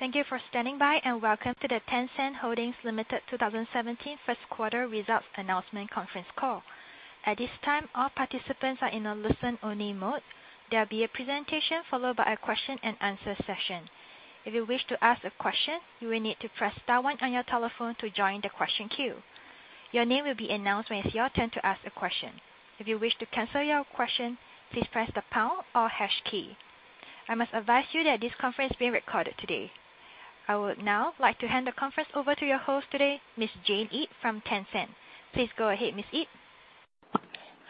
Thank you for standing by, welcome to the Tencent Holdings Limited 2017 first quarter results announcement conference call. At this time, all participants are in a listen-only mode. There will be a presentation followed by a question and answer session. If you wish to ask a question, you will need to press star one on your telephone to join the question queue. Your name will be announced when it's your turn to ask a question. If you wish to cancel your question, please press the pound or hash key. I must advise you that this conference is being recorded today. I would now like to hand the conference over to your host today, Ms. Jane Yip from Tencent. Please go ahead, Ms. Yip.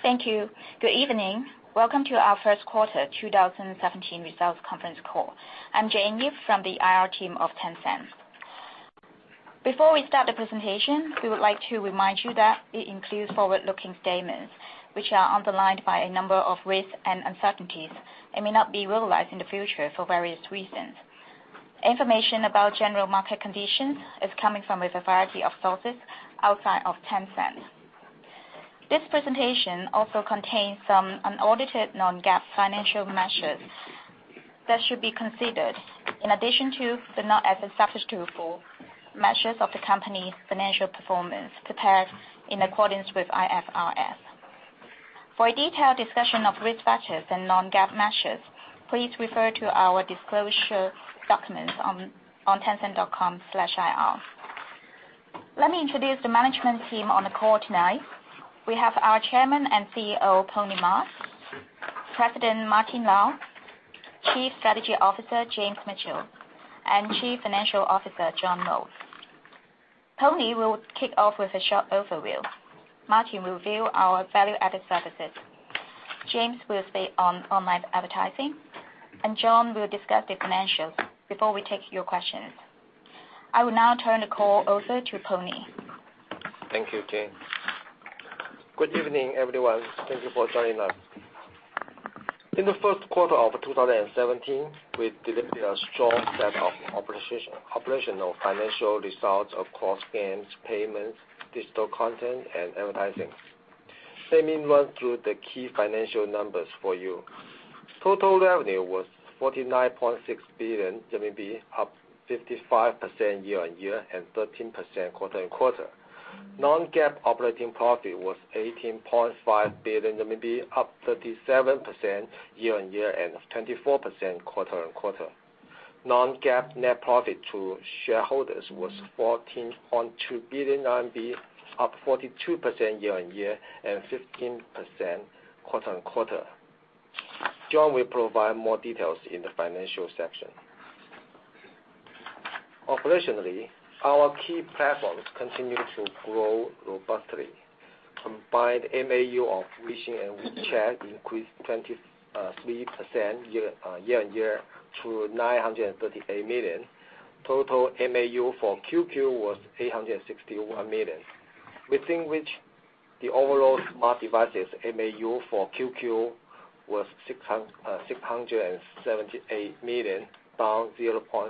Thank you. Good evening. Welcome to our first quarter 2017 results conference call. I'm Jane Yip from the IR team of Tencent. Before we start the presentation, we would like to remind you that it includes forward-looking statements, which are underlined by a number of risks and uncertainties and may not be realized in the future for various reasons. Information about general market conditions is coming from a variety of sources outside of Tencent. This presentation also contains some unaudited non-GAAP financial measures that should be considered in addition to, but not as a substitute for, measures of the company's financial performance prepared in accordance with IFRS. For a detailed discussion of risk factors and non-GAAP measures, please refer to our disclosure documents on tencent.com/ir. Let me introduce the management team on the call tonight. We have our Chairman and CEO, Pony Ma, President Martin Lau, Chief Strategy Officer James Mitchell, Chief Financial Officer John Lo. Pony will kick off with a short overview. Martin will view our value-added services. James will speak on online advertising, John will discuss the financials before we take your questions. I will now turn the call over to Pony. Thank you, Jane. Good evening, everyone. Thank you for joining us. In the first quarter of 2017, we delivered a strong set of operational financial results across games, payments, digital content, and advertising. Let me run through the key financial numbers for you. Total revenue was 49.6 billion RMB, up 55% year-on-year, 13% quarter-on-quarter. Non-GAAP operating profit was 18.5 billion RMB, up 37% year-on-year, 24% quarter-on-quarter. Non-GAAP net profit to shareholders was 14.2 billion RMB, up 42% year-on-year, 15% quarter-on-quarter. John will provide more details in the financial section. Operationally, our key platforms continue to grow robustly. Combined MAU of WeChat increased 23% year-on-year to 938 million. Total MAU for QQ was 861 million, within which the overall smart devices MAU for QQ was 678 million, down 0.4%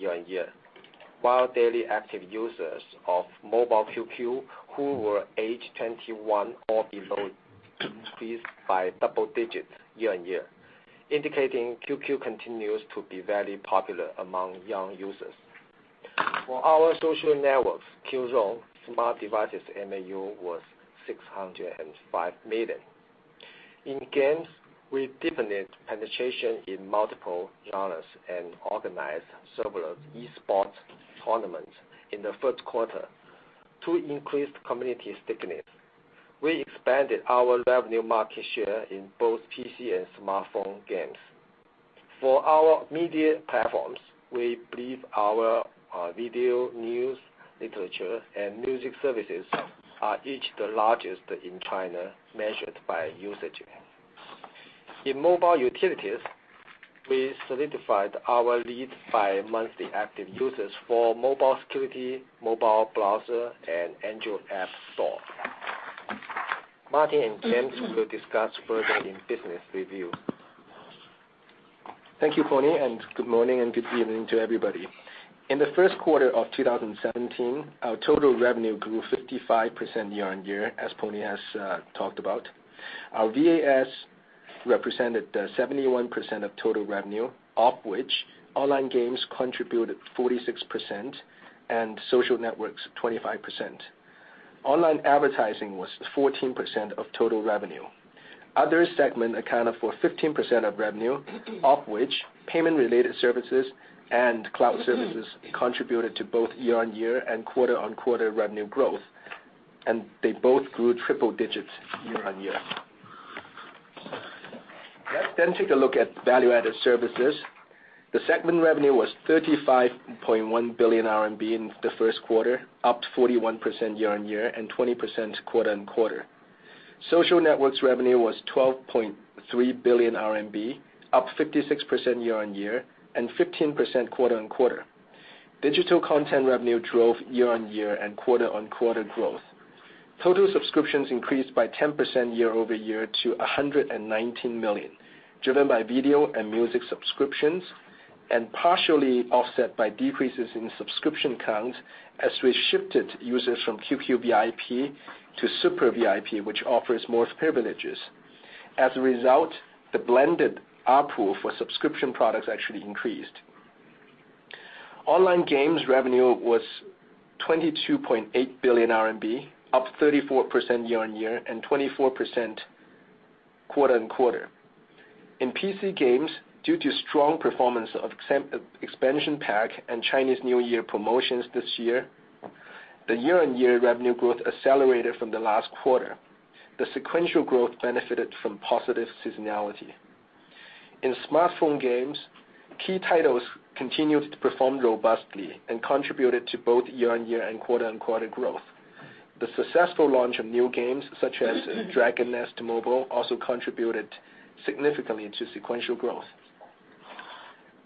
year-on-year. While daily active users of mobile QQ who were age 21 or below increased by double digits year-on-year, indicating QQ continues to be very popular among young users. For our social networks, Qzone smart devices MAU was 605 million. In games, we deepened penetration in multiple genres and organized several esports tournaments in the first quarter to increase community stickiness. We expanded our revenue market share in both PC and smartphone games. For our media platforms, we believe our video, news, literature, and music services are each the largest in China, measured by usage. In mobile utilities, we solidified our lead by monthly active users for mobile security, mobile browser and Android app store. Martin and James will discuss further in business review. Thank you, Pony. Good morning and good evening to everybody. In the first quarter of 2017, our total revenue grew 55% year-on-year, as Pony has talked about. Our VAS represented 71% of total revenue, of which online games contributed 46% and social networks 25%. Online advertising was 14% of total revenue. Other segment accounted for 15% of revenue, of which payment-related services and cloud services contributed to both year-on-year and quarter-on-quarter revenue growth, and they both grew triple digits year-on-year. Let's take a look at value-added services. The segment revenue was 35.1 billion RMB in the first quarter, up 41% year-on-year and 20% quarter-on-quarter. Social networks revenue was 12.3 billion RMB, up 56% year-on-year and 15% quarter-on-quarter. Digital content revenue drove year-on-year and quarter-on-quarter growth. Total subscriptions increased by 10% year-over-year to 119 million, driven by video and music subscriptions. Partially offset by decreases in subscription count as we shifted users from QQ VIP to Super VIP, which offers more privileges. As a result, the blended ARPU for subscription products actually increased. Online games revenue was 22.8 billion RMB, up 34% year-on-year and 24% quarter-on-quarter. In PC games, due to strong performance of expansion pack and Chinese New Year promotions this year, the year-on-year revenue growth accelerated from the last quarter. The sequential growth benefited from positive seasonality. In smartphone games, key titles continued to perform robustly and contributed to both year-on-year and quarter-on-quarter growth. The successful launch of new games such as Dragon Nest Mobile, also contributed significantly to sequential growth.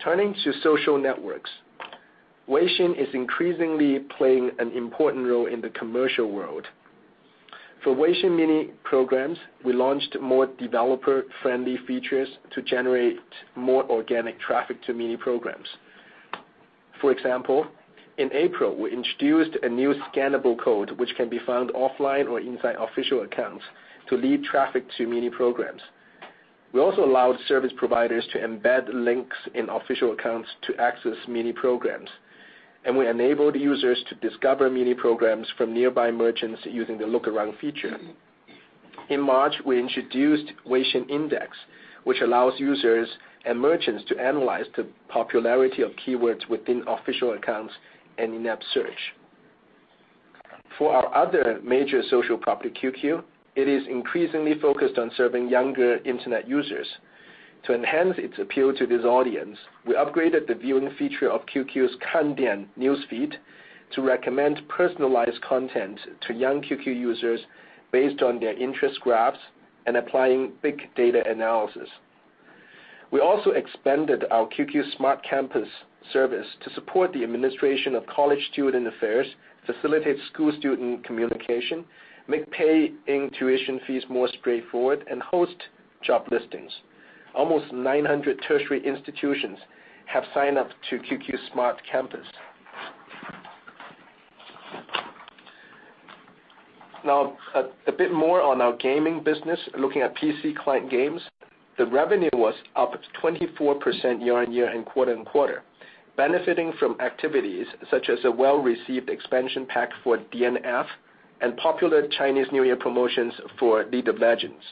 Turning to social networks. Weixin is increasingly playing an important role in the commercial world. For Weixin Mini Programs, we launched more developer-friendly features to generate more organic traffic to Mini Programs. For example, in April, we introduced a new scannable code, which can be found offline or inside official accounts to lead traffic to Mini Programs. We also allowed service providers to embed links in official accounts to access Mini Programs, and we enabled users to discover Mini Programs from nearby merchants using the Look Around feature. In March, we introduced Weixin Index, which allows users and merchants to analyze the popularity of keywords within official accounts and in-app search. For our other major social property, QQ, it is increasingly focused on serving younger Internet users. To enhance its appeal to this audience, we upgraded the viewing feature of QQ's Kandian news feed to recommend personalized content to young QQ users based on their interest graphs and applying big data analysis. We also expanded our QQ Smart Campus service to support the administration of college student affairs, facilitate school-student communication, make paying tuition fees more straightforward, and host job listings. Almost 900 tertiary institutions have signed up to QQ Smart Campus. A bit more on our gaming business. Looking at PC client games, the revenue was up 24% year-on-year and quarter-on-quarter, benefiting from activities such as a well-received expansion pack for DNF and popular Chinese New Year promotions for League of Legends.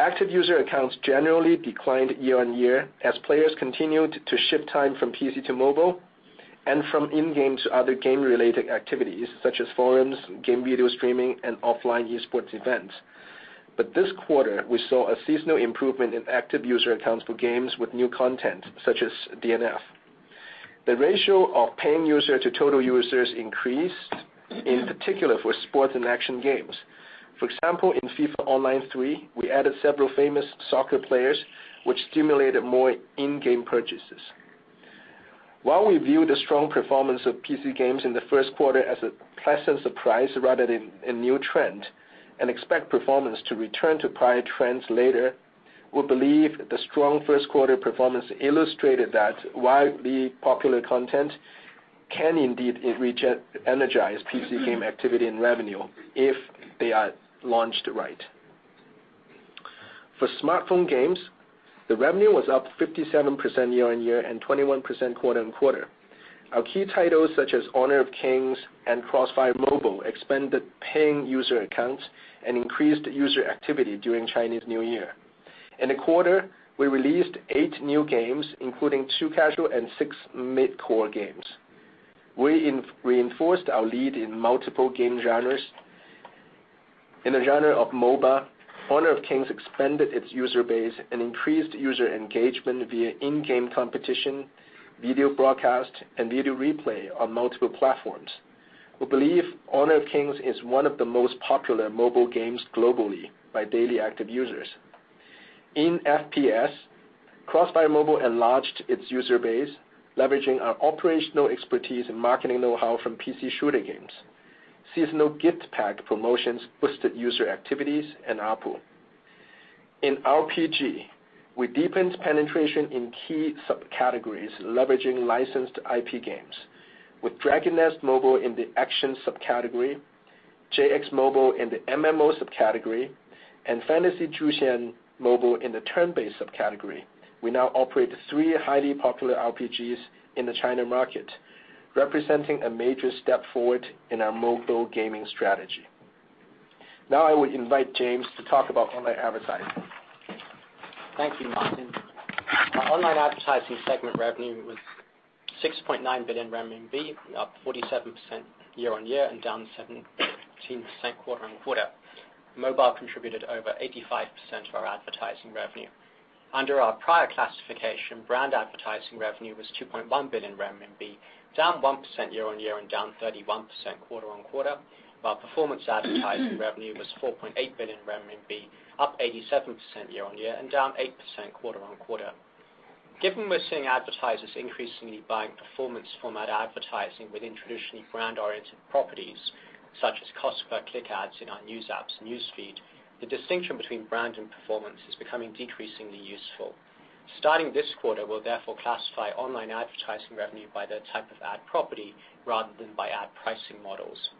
Active user accounts generally declined year-on-year, as players continued to shift time from PC to mobile, and from in-game to other game-related activities, such as forums, game video streaming, and offline esports events. This quarter, we saw a seasonal improvement in active user accounts for games with new content, such as DNF. The ratio of paying user to total users increased, in particular for sports and action games. For example, in FIFA Online 3, we added several famous soccer players, which stimulated more in-game purchases. While we view the strong performance of PC games in the first quarter as a pleasant surprise rather than a new trend, and expect performance to return to prior trends later, we believe the strong first quarter performance illustrated that widely popular content can indeed reenergize PC game activity and revenue if they are launched right. For smartphone games, the revenue was up 57% year-on-year and 21% quarter-on-quarter. Our key titles such as Honor of Kings and CrossFire Mobile expanded paying user accounts and increased user activity during Chinese New Year. In the quarter, we released eight new games, including two casual and six mid-core games. We reinforced our lead in multiple game genres. In the genre of MOBA, Honor of Kings expanded its user base and increased user engagement via in-game competition, video broadcast, and video replay on multiple platforms. We believe Honor of Kings is one of the most popular mobile games globally by daily active users. In FPS, CrossFire Mobile enlarged its user base, leveraging our operational expertise and marketing know-how from PC shooter games. Seasonal gift pack promotions boosted user activities and ARPU. In RPG, we deepened penetration in key subcategories, leveraging licensed IP games. With Dragon Nest Mobile in the action subcategory, JX Mobile in the MMO subcategory, and Fantasy Zhu Xian Mobile in the turn-based subcategory, we now operate three highly popular RPGs in the China market, representing a major step forward in our mobile gaming strategy. I would invite James to talk about online advertising. Thank you, Martin. Our online advertising segment revenue was 6.9 billion renminbi, up 47% year-on-year and down 17% quarter-on-quarter. Mobile contributed over 85% of our advertising revenue. Under our prior classification, brand advertising revenue was 2.1 billion renminbi, down 1% year-on-year and down 31% quarter-on-quarter. While performance advertising revenue was 4.8 billion RMB, up 87% year-on-year and down 8% quarter-on-quarter. Given we're seeing advertisers increasingly buying performance format advertising within traditionally brand-oriented properties, such as cost-per-click ads in our news apps news feed, the distinction between brand and performance is becoming decreasingly useful. Starting this quarter, we'll therefore classify online advertising revenue by the type of ad property rather than by ad pricing models.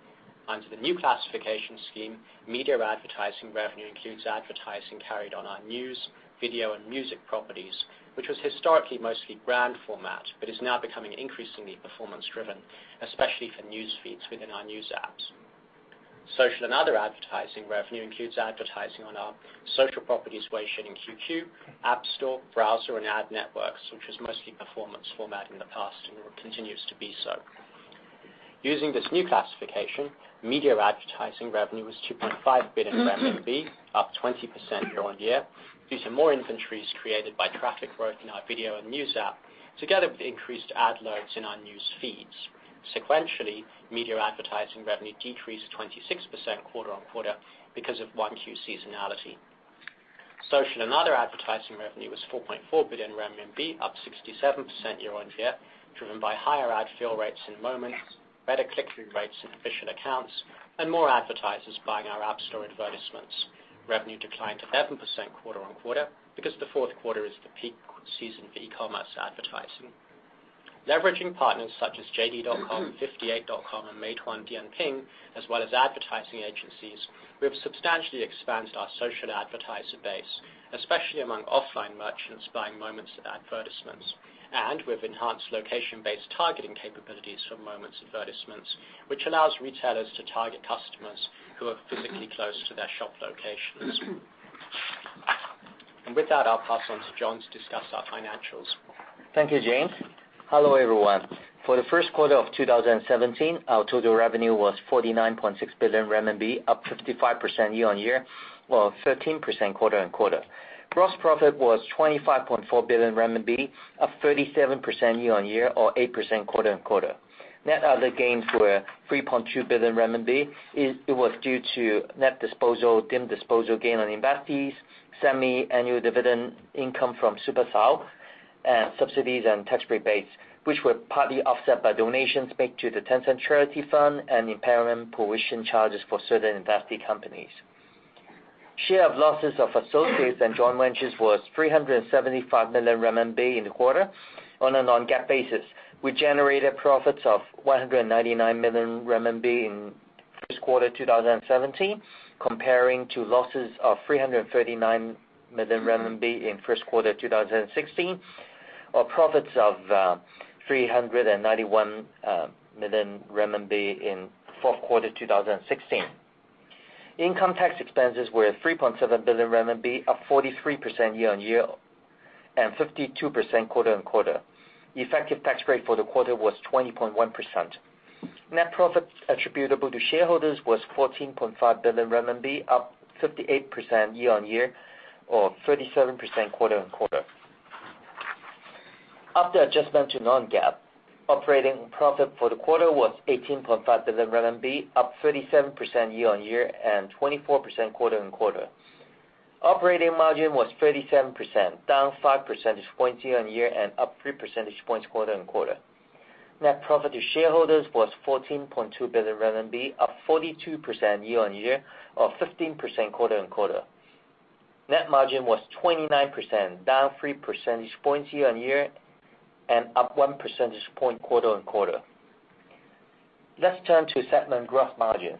Under the new classification scheme, media advertising revenue includes advertising carried on our news, video, and music properties, which was historically mostly brand format, but is now becoming increasingly performance-driven, especially for news feeds within our news apps. Social and other advertising revenue includes advertising on our social properties, WeChat and QQ, app store, browser, and ad networks, which was mostly performance format in the past and continues to be so. Using this new classification, media advertising revenue was 2.5 billion RMB, up 20% year-on-year due to more inventories created by traffic growth in our video and news app, together with increased ad loads in our news feeds. Sequentially, media advertising revenue decreased 26% quarter-on-quarter because of one Q seasonality. Social and other advertising revenue was 4.4 billion RMB, up 67% year-on-year, driven by higher ad fill rates in Moments, better click-through rates in official accounts, and more advertisers buying our app store advertisements. Revenue declined 11% quarter-on-quarter because the fourth quarter is the peak season for e-commerce advertising. Leveraging partners such as JD.com, 58.com, and Meituan-Dianping, as well as advertising agencies, we have substantially expanded our social advertiser base, especially among offline merchants buying Moments advertisements. We've enhanced location-based targeting capabilities for Moments advertisements, which allows retailers to target customers who are physically close to their shop locations. With that, I'll pass on to John to discuss our financials. Thank you, James. Hello, everyone. For the first quarter of 2017, our total revenue was 49.6 billion RMB, up 55% year-on-year, or 13% quarter-on-quarter. Gross profit was 25.4 billion RMB, up 37% year-on-year, or 8% quarter-on-quarter. Net other gains were 3.2 billion renminbi. It was due to net disposal, deemed disposal gain on investees, semi-annual dividend income from Supercell, and subsidies and tax rebates, which were partly offset by donations made to the Tencent Charity Foundation and impairment provision charges for certain investee companies. Share of losses of associates and joint ventures was 375 million RMB in the quarter. On a non-GAAP basis, we generated profits of 199 million RMB in first quarter 2017, comparing to losses of 339 million RMB in first quarter 2016, or profits of 391 million RMB in fourth quarter 2016. Income tax expenses were 3.7 billion RMB, up 43% year-on-year, and 52% quarter-on-quarter. Effective tax rate for the quarter was 20.1%. Net profits attributable to shareholders was 14.5 billion renminbi, up 58% year-on-year, or 37% quarter-on-quarter. After adjustment to non-GAAP, operating profit for the quarter was 18.5 billion RMB, up 37% year-on-year and 24% quarter-on-quarter. Operating margin was 37%, down 5 percentage points year-on-year and up 3 percentage points quarter-on-quarter. Net profit to shareholders was 14.2 billion RMB, up 42% year-on-year, or 15% quarter-on-quarter. Net margin was 29%, down 3 percentage points year-on-year, and up 1 percentage point quarter-on-quarter. Let's turn to segment gross margin.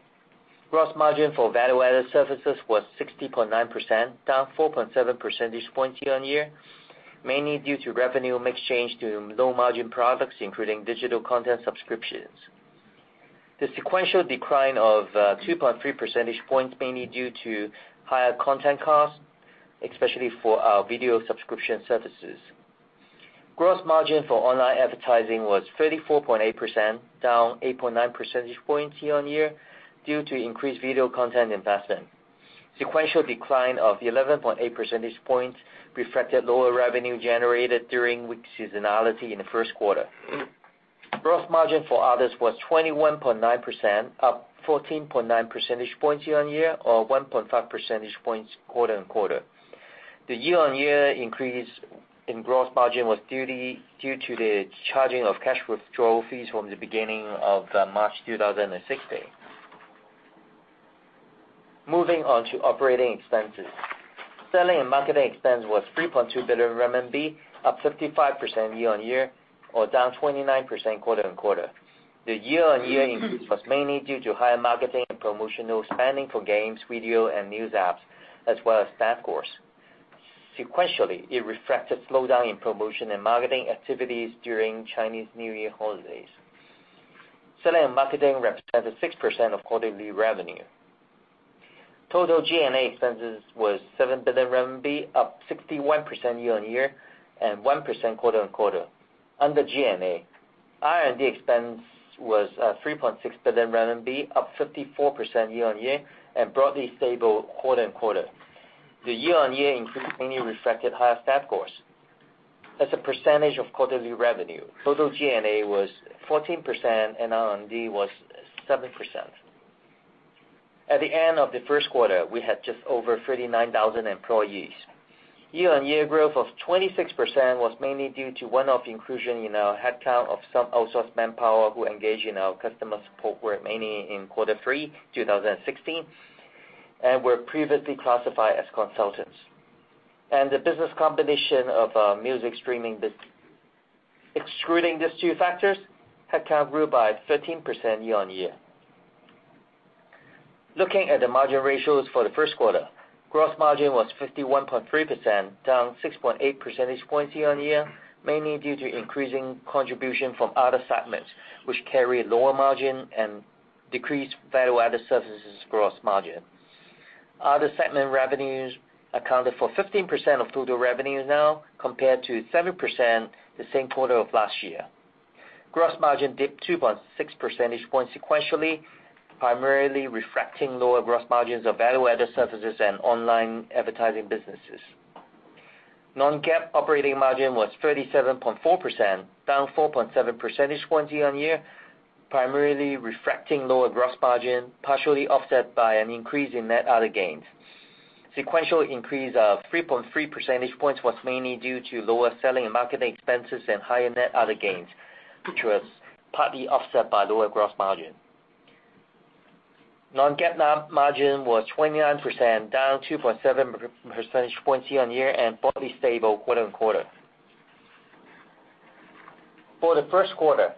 Gross margin for value-added services was 60.9%, down 4.7 percentage points year-on-year, mainly due to revenue mix change to low-margin products, including digital content subscriptions. The sequential decline of 2.3 percentage points mainly due to higher content costs, especially for our video subscription services. Gross margin for online advertising was 34.8%, down 8.9 percentage points year-on-year due to increased video content investment. Sequential decline of 11.8 percentage points reflected lower revenue generated during seasonality in the first quarter. Gross margin for others was 21.9%, up 14.9 percentage points year-on-year, or 1.5 percentage points quarter-on-quarter. The year-on-year increase in gross margin was due to the charging of cash withdrawal fees from the beginning of March 2016. Moving on to operating expenses. Selling and marketing expense was 3.2 billion RMB, up 55% year-on-year or down 29% quarter-on-quarter. The year-on-year increase was mainly due to higher marketing and promotional spending for games, video, and news apps, as well as staff costs. Sequentially, it reflected a slowdown in promotion and marketing activities during Chinese New Year holidays. Selling and marketing represented 6% of quarterly revenue. Total G&A expenses was 7 billion RMB, up 61% year-on-year and 1% quarter-on-quarter. Under G&A, R&D expense was 3.6 billion RMB, up 54% year-on-year and broadly stable quarter-on-quarter. The year-on-year increase mainly reflected higher staff costs. As a percentage of quarterly revenue, total G&A was 14% and R&D was 7%. At the end of the first quarter, we had just over 39,000 employees. Year-on-year growth of 26% was mainly due to one-off inclusion in our headcount of some outsourced manpower who engaged in our customer support work mainly in quarter three 2016, and were previously classified as consultants, and the business combination of our music streaming business. Excluding these two factors, headcount grew by 13% year-on-year. Looking at the margin ratios for the first quarter, gross margin was 51.3%, down 6.8 percentage points year-on-year, mainly due to increasing contribution from other segments, which carry a lower margin and decreased value-added services gross margin. Other segment revenues accounted for 15% of total revenues now compared to 7% the same quarter of last year. Gross margin dipped 2.6 percentage points sequentially, primarily reflecting lower gross margins of value-added services and online advertising businesses. Non-GAAP operating margin was 37.4%, down 4.7 percentage points year-on-year, primarily reflecting lower gross margin, partially offset by an increase in net other gains. Sequential increase of 3.3 percentage points was mainly due to lower selling and marketing expenses and higher net other gains, which was partly offset by lower gross margin. Non-GAAP margin was 29%, down 2.7 percentage points year-on-year and broadly stable quarter-on-quarter. For the first quarter,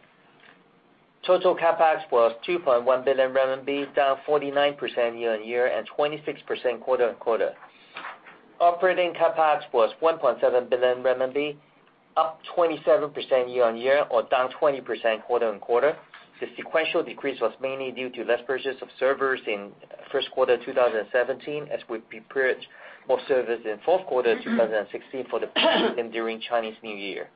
total CapEx was 2.1 billion RMB, down 49% year-on-year and 26% quarter-on-quarter. Operating CapEx was 1.7 billion RMB, up 27% year-on-year or down 20% quarter-on-quarter. The sequential decrease was mainly due to less purchase of servers in first quarter 2017 as we purchased more servers in fourth quarter 2016 during Chinese New Year.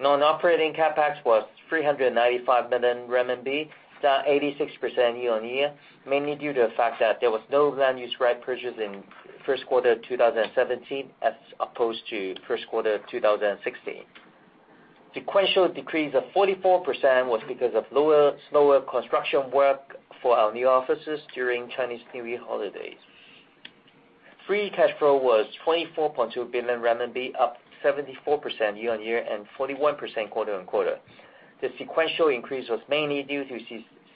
Non-operating CapEx was 395 million RMB, down 86% year-on-year, mainly due to the fact that there was no land use right purchase in first quarter 2017 as opposed to first quarter 2016. Sequential decrease of 44% was because of slower construction work for our new offices during Chinese New Year holidays. Free cash flow was 24.2 billion renminbi, up 74% year-on-year and 41% quarter-on-quarter. The sequential increase was mainly due to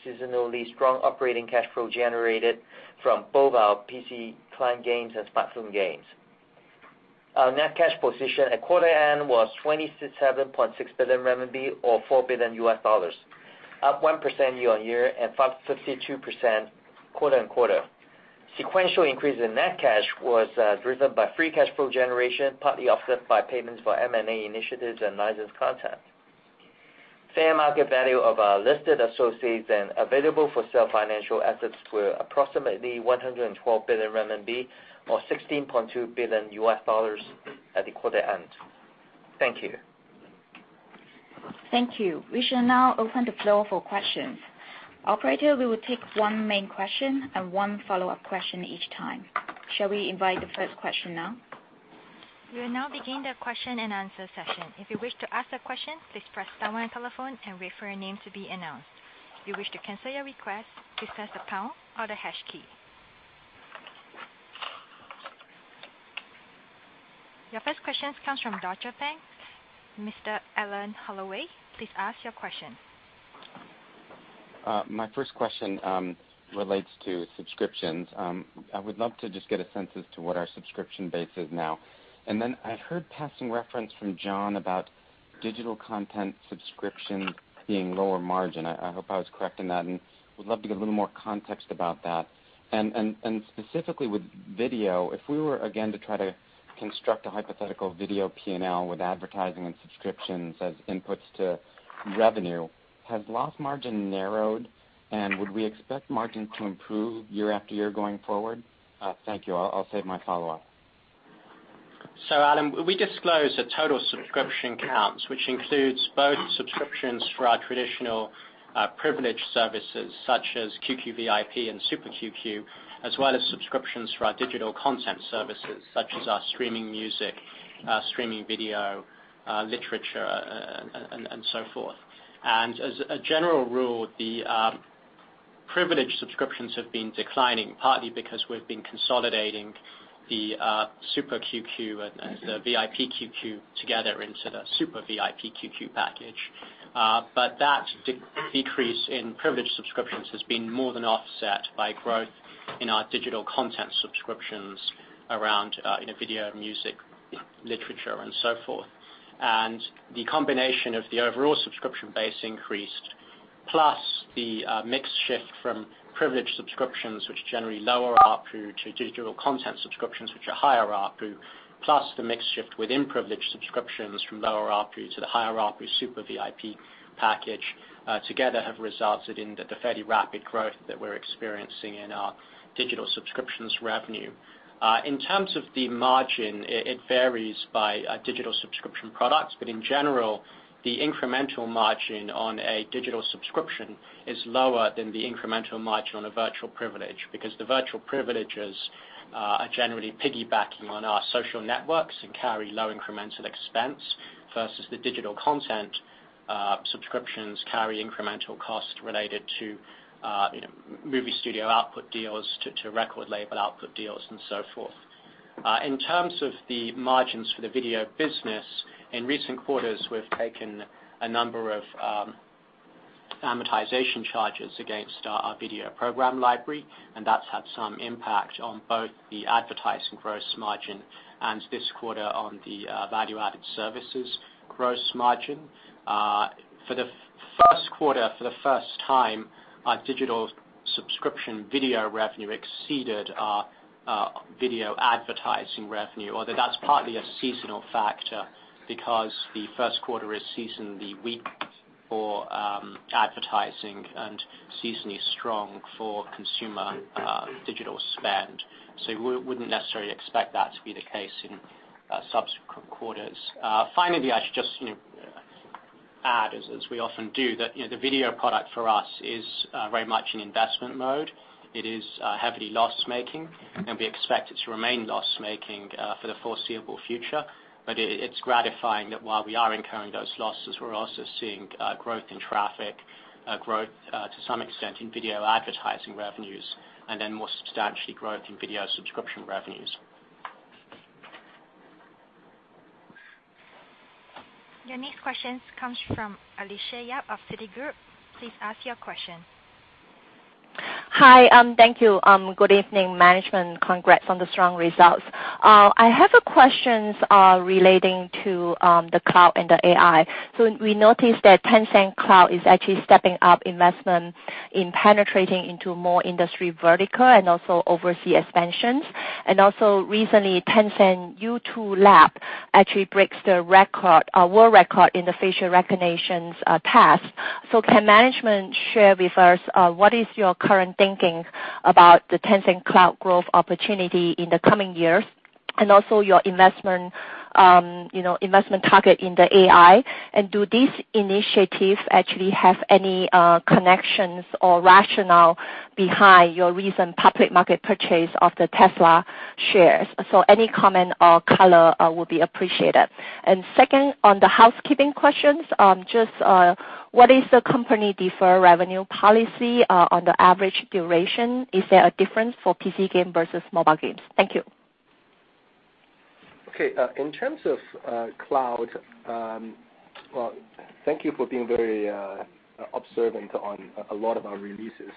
seasonally strong operating cash flow generated from both our PC client games and smartphone games. Our net cash position at quarter end was 27.6 billion RMB or $4 billion, up 1% year-on-year and 52% quarter-on-quarter. Sequential increase in net cash was driven by free cash flow generation, partly offset by payments for M&A initiatives and licensed content. Fair market value of our listed associates and available-for-sale financial assets were approximately 112 billion RMB or $16.2 billion at the quarter end. Thank you. Thank you. We shall now open the floor for questions. Operator, we will take one main question and one follow-up question each time. Shall we invite the first question now? We will now begin the question-and-answer session. If you wish to ask a question, please press star on your telephone and wait for your name to be announced. If you wish to cancel your request, please press the pound or the hash key. Your first question comes from Deutsche Bank. Mr. Alan Hellawell, please ask your question. My first question relates to subscriptions. I would love to just get a sense as to what our subscription base is now. Then I heard passing reference from John about digital content subscription being lower margin. I hope I was correct in that, and would love to get a little more context about that. Specifically with video, if we were again to try to construct a hypothetical video P&L with advertising and subscriptions as inputs to revenue, has loss margin narrowed, and would we expect margin to improve year after year going forward? Thank you. I'll save my follow-up. Alan, we disclose the total subscription counts, which includes both subscriptions for our traditional privilege services such as QQ VIP and Super QQ as well as subscriptions for our digital content services such as our streaming music, streaming video, literature and so forth. As a general rule, the privilege subscriptions have been declining, partly because we've been consolidating the Super QQ and the VIP QQ together into the Super VIP QQ package. That decrease in privilege subscriptions has been more than offset by growth in our digital content subscriptions around in video, music, literature and so forth. The combination of the overall subscription base increased, plus the mix shift from privilege subscriptions, which generally lower ARPU, to digital content subscriptions, which are higher ARPU, plus the mix shift within privilege subscriptions from lower ARPU to the higher ARPU Super VIP package, together have resulted in the fairly rapid growth that we're experiencing in our digital subscriptions revenue. In terms of the margin, it varies by digital subscription products. In general, the incremental margin on a digital subscription is lower than the incremental margin on a virtual privilege because the virtual privileges are generally piggybacking on our social networks and carry low incremental expense versus the digital content subscriptions carry incremental costs related to movie studio output deals, to record label output deals and so forth. In terms of the margins for the video business, in recent quarters, we've taken a number Amortization charges against our video program library, that's had some impact on both the advertising gross margin and this quarter on the value-added services gross margin. For the first quarter, for the first time, our digital subscription video revenue exceeded our video advertising revenue, although that's partly a seasonal factor because the first quarter is seasonally weak for advertising and seasonally strong for consumer digital spend. We wouldn't necessarily expect that to be the case in subsequent quarters. Finally, I should just add, as we often do, that the video product for us is very much in investment mode. It is heavily loss-making, and we expect it to remain loss-making for the foreseeable future. It's gratifying that while we are incurring those losses, we're also seeing growth in traffic, growth, to some extent, in video advertising revenues, and then more substantially growth in video subscription revenues. Your next question comes from Alicia Yap of Citigroup. Please ask your question. Hi. Thank you. Good evening, management. Congrats on the strong results. I have questions relating to the cloud and the AI. We noticed that Tencent Cloud is actually stepping up investment in penetrating into more industry vertical and also overseas expansions. Recently, Tencent YouTu Lab actually breaks the world record in the facial recognition task. Can management share with us what is your current thinking about the Tencent Cloud growth opportunity in the coming years and also your investment target in the AI? Do these initiatives actually have any connections or rationale behind your recent public market purchase of the Tesla shares? Any comment or color will be appreciated. Second, on the housekeeping questions, just what is the company defer revenue policy on the average duration? Is there a difference for PC game versus mobile games? Thank you. Okay. In terms of cloud, thank you for being very observant on a lot of our releases.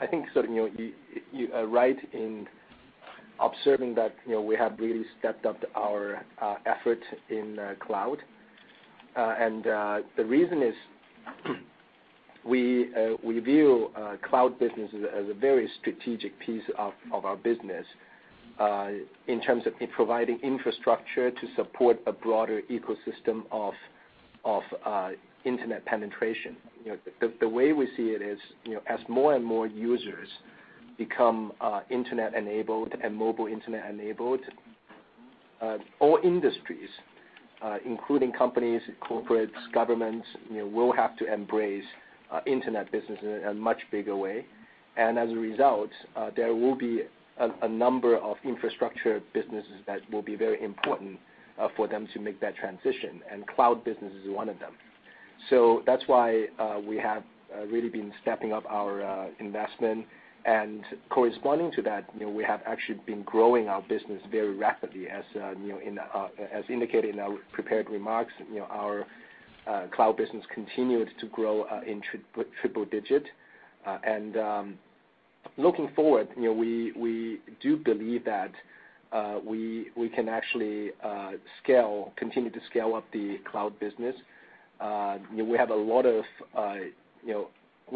I think you are right in observing that we have really stepped up our effort in cloud. The reason is we view cloud business as a very strategic piece of our business in terms of providing infrastructure to support a broader ecosystem of internet penetration. The way we see it is, as more and more users become internet-enabled and mobile internet-enabled, all industries including companies, corporates, governments will have to embrace internet business in a much bigger way. As a result, there will be a number of infrastructure businesses that will be very important for them to make that transition, and cloud business is one of them. That's why we have really been stepping up our investment. Corresponding to that, we have actually been growing our business very rapidly. As indicated in our prepared remarks, our cloud business continued to grow in triple digit. Looking forward, we do believe that we can actually continue to scale up the cloud business. We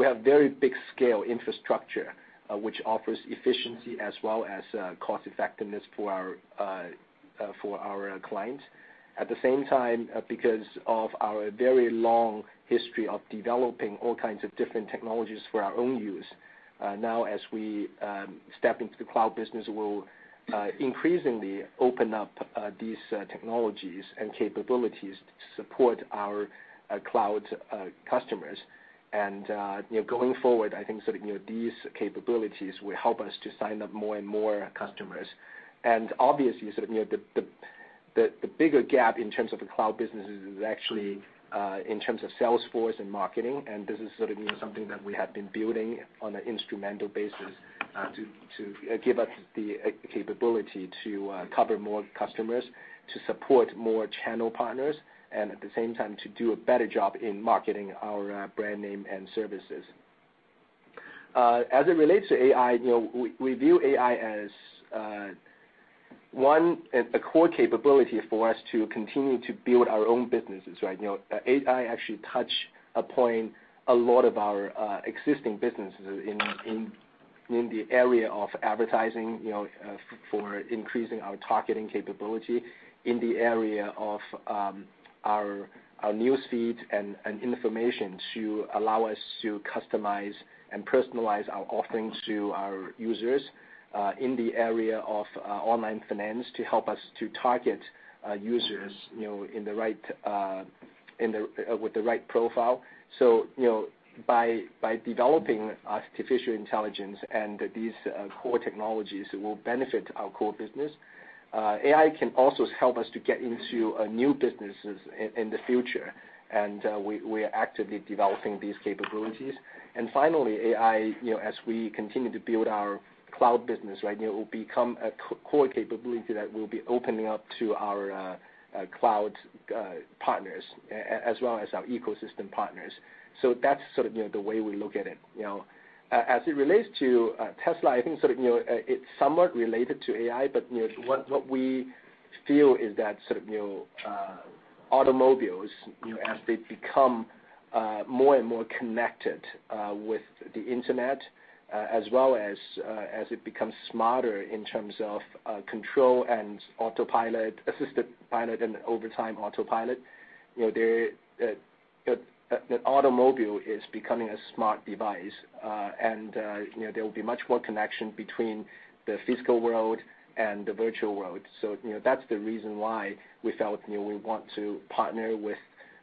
have very big scale infrastructure, which offers efficiency as well as cost effectiveness for our clients. At the same time, because of our very long history of developing all kinds of different technologies for our own use, now as we step into the cloud business, we will increasingly open up these technologies and capabilities to support our cloud customers. Going forward, I think these capabilities will help us to sign up more and more customers. Obviously, the bigger gap in terms of the cloud business is actually in terms of sales force and marketing, and this is something that we have been building on an instrumental basis to give us the capability to cover more customers, to support more channel partners, and at the same time, to do a better job in marketing our brand name and services. As it relates to AI, we view AI as one, a core capability for us to continue to build our own businesses. AI actually touch a point a lot of our existing businesses in the area of advertising for increasing our targeting capability, in the area of our news feed and information to allow us to customize and personalize our offerings to our users, in the area of online finance to help us to target users with the right profile. By developing artificial intelligence and these core technologies will benefit our core business. AI can also help us to get into new businesses in the future, we are actively developing these capabilities. Finally, AI, as we continue to build our cloud business, it will become a core capability that we'll be opening up to our cloud partners, as well as our ecosystem partners. That's sort of the way we look at it. As it relates to Tesla, I think it's somewhat related to AI, but what we feel is that automobiles, as they become more and more connected with the internet, as well as it becomes smarter in terms of control and autopilot, assisted pilot and over time, autopilot, the automobile is becoming a smart device. There will be much more connection between the physical world and the virtual world. That's the reason why we felt we want to partner with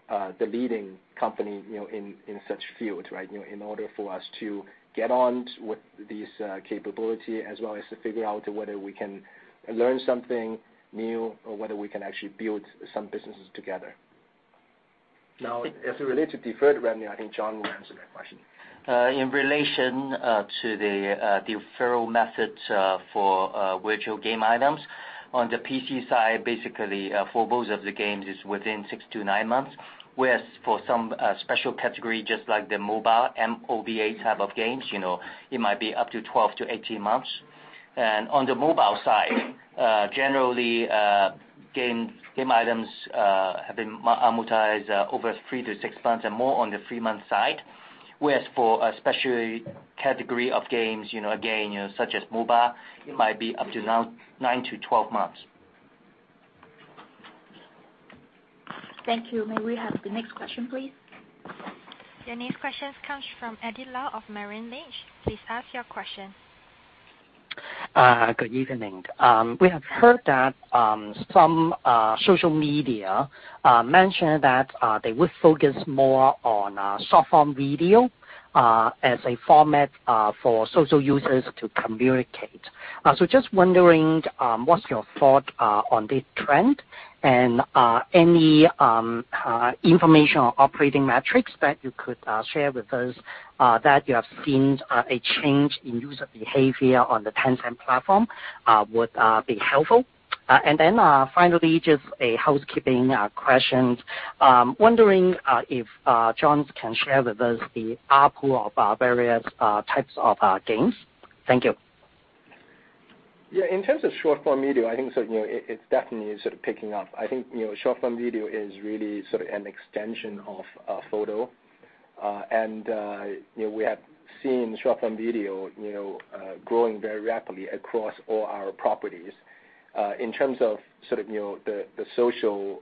the leading company in such fields. In order for us to get on with this capability, as well as to figure out whether we can learn something new or whether we can actually build some businesses together. Now, as it relates to deferred revenue, I think John will answer that question. In relation to the deferral methods for virtual game items, on the PC side, basically for both of the games, it's within six to nine months, whereas for some special category, just like the MOBA, MOBA type of games, it might be up to 12 to 18 months. On the MOBA side, generally, game items have been amortized over three to six months and more on the three-month side, whereas for a special category of games, again, such as MOBA, it might be up to nine to 12 months. Thank you. May we have the next question, please? Your next question comes from Eddie Leung of Merrill Lynch. Please ask your question. Good evening. We have heard that some social media mentioned that they would focus more on short-form video as a format for social users to communicate. Just wondering, what's your thought on this trend, and any information or operating metrics that you could share with us that you have seen a change in user behavior on the Tencent platform would be helpful. Finally, just a housekeeping question. Wondering if John can share with us the ARPU of our various types of games. Thank you. Yeah. In terms of short-form video, I think it's definitely sort of picking up. I think short-form video is really sort of an extension of photo. We have seen short-form video growing very rapidly across all our properties. In terms of the social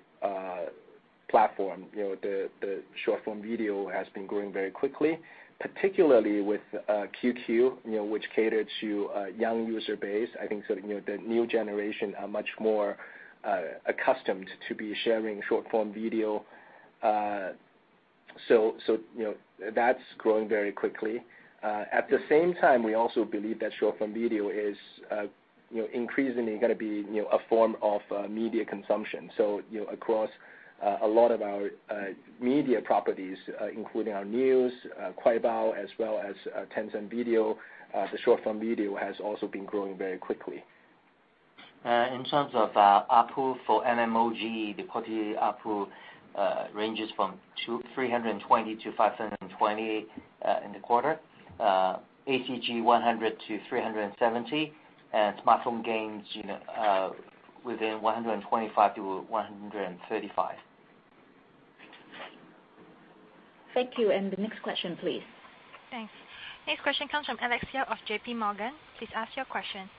platform, the short-form video has been growing very quickly, particularly with QQ, which caters to a young user base. I think the new generation are much more accustomed to be sharing short-form video. That's growing very quickly. At the same time, we also believe that short-form video is increasingly going to be a form of media consumption. Across a lot of our media properties, including our news, Kuai Bao as well as Tencent Video, the short-form video has also been growing very quickly. In terms of ARPU for MMOG, the quarterly ARPU ranges from 320-520 in the quarter, ACG 100-370, and smartphone games within 125-135. Thank you. The next question, please. Thanks. Next question comes from Alex Yao of JPMorgan. Please ask your question.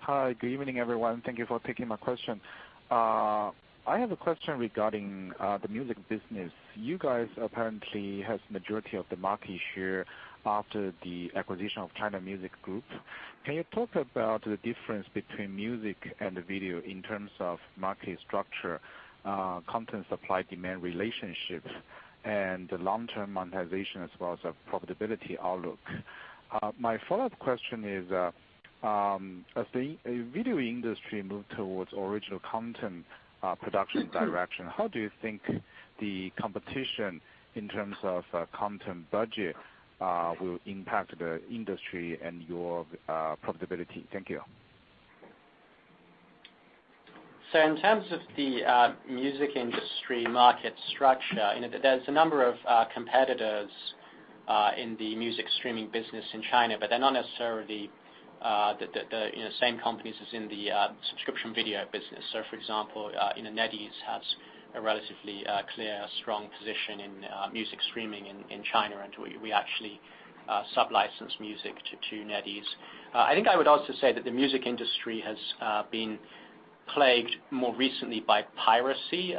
Hi. Good evening, everyone. Thank you for taking my question. I have a question regarding the music business. You guys apparently have the majority of the market share after the acquisition of China Music Corporation. Can you talk about the difference between music and video in terms of market structure, content supply-demand relationships, and the long-term monetization as well as the profitability outlook? My follow-up question is, as the video industry moves towards original content production direction, how do you think the competition in terms of content budget will impact the industry and your profitability? Thank you. In terms of the music industry market structure, there's a number of competitors in the music streaming business in China, they're not necessarily the same companies as in the subscription video business. For example, NetEase has a relatively clear, strong position in music streaming in China, and we actually sub-license music to NetEase. I think I would also say that the music industry has been plagued more recently by piracy.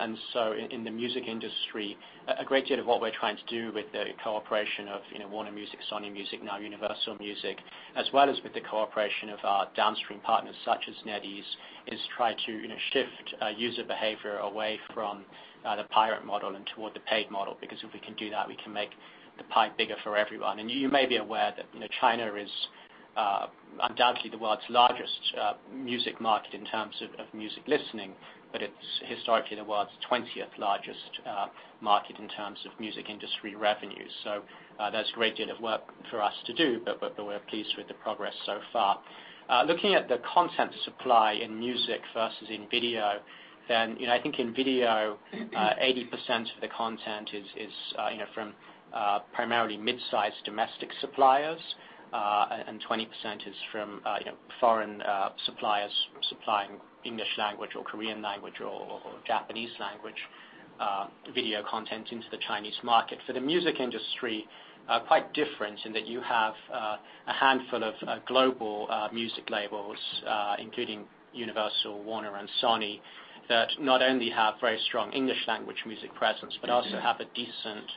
In the music industry, a great deal of what we're trying to do with the cooperation of Warner Music, Sony Music, now Universal Music, as well as with the cooperation of our downstream partners such as NetEase is try to shift user behavior away from the pirate model and toward the paid model, because if we can do that, we can make the pie bigger for everyone. You may be aware that China is undoubtedly the world's largest music market in terms of music listening, it's historically the world's 20th largest market in terms of music industry revenue. That's a great deal of work for us to do, we're pleased with the progress so far. Looking at the content supply in music versus in video, I think in video, 80% of the content is from primarily mid-sized domestic suppliers, and 20% is from foreign suppliers supplying English language or Korean language or Japanese language video content into the Chinese market. For the music industry, quite different in that you have a handful of global music labels including Universal, Warner, and Sony, that not only have very strong English language music presence, but also have a decent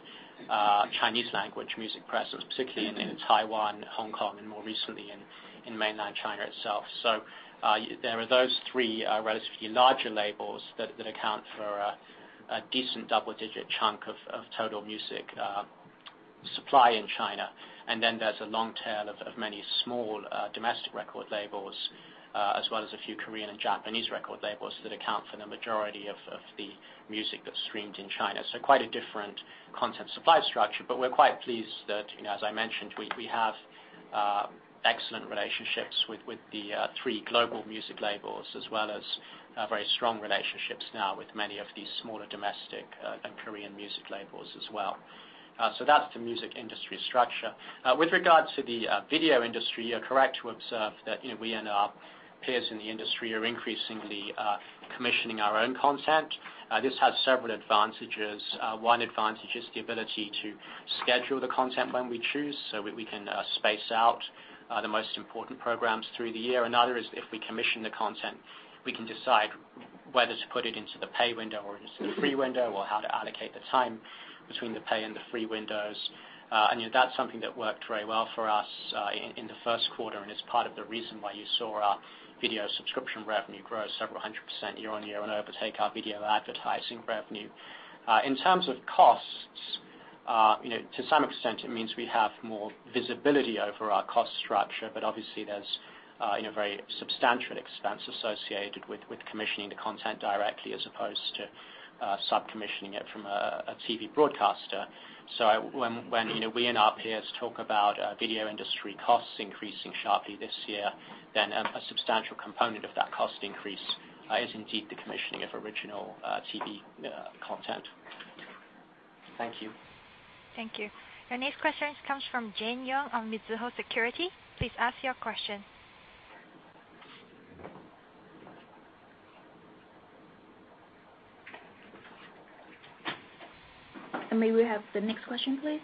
Chinese language music presence, particularly in Taiwan, Hong Kong, and more recently in mainland China itself. There are those three relatively larger labels that account for a decent double-digit chunk of total music supply in China. There's a long tail of many small domestic record labels, as well as a few Korean and Japanese record labels that account for the majority of the music that's streamed in China. Quite a different content supply structure, we're quite pleased that, as I mentioned, we have excellent relationships with the three global music labels, as well as very strong relationships now with many of these smaller domestic and Korean music labels as well. That's the music industry structure. With regard to the video industry, you're correct to observe that we and our peers in the industry are increasingly commissioning our own content. This has several advantages. One advantage is the ability to schedule the content when we choose, we can space out the most important programs through the year. Another is if we commission the content, we can decide whether to put it into the pay window or into the free window, or how to allocate the time between the pay and the free windows. That's something that worked very well for us in the first quarter and is part of the reason why you saw our video subscription revenue grow several hundred% year-on-year and overtake our video advertising revenue. In terms of costs, to some extent, it means we have more visibility over our cost structure, obviously, there's a very substantial expense associated with commissioning the content directly as opposed to sub-commissioning it from a TV broadcaster. When we and our peers talk about video industry costs increasing sharply this year, a substantial component of that cost increase is indeed the commissioning of original TV content. Thank you. Thank you. Your next question comes from Jin Yoon on Mizuho Securities. Please ask your question. May we have the next question, please?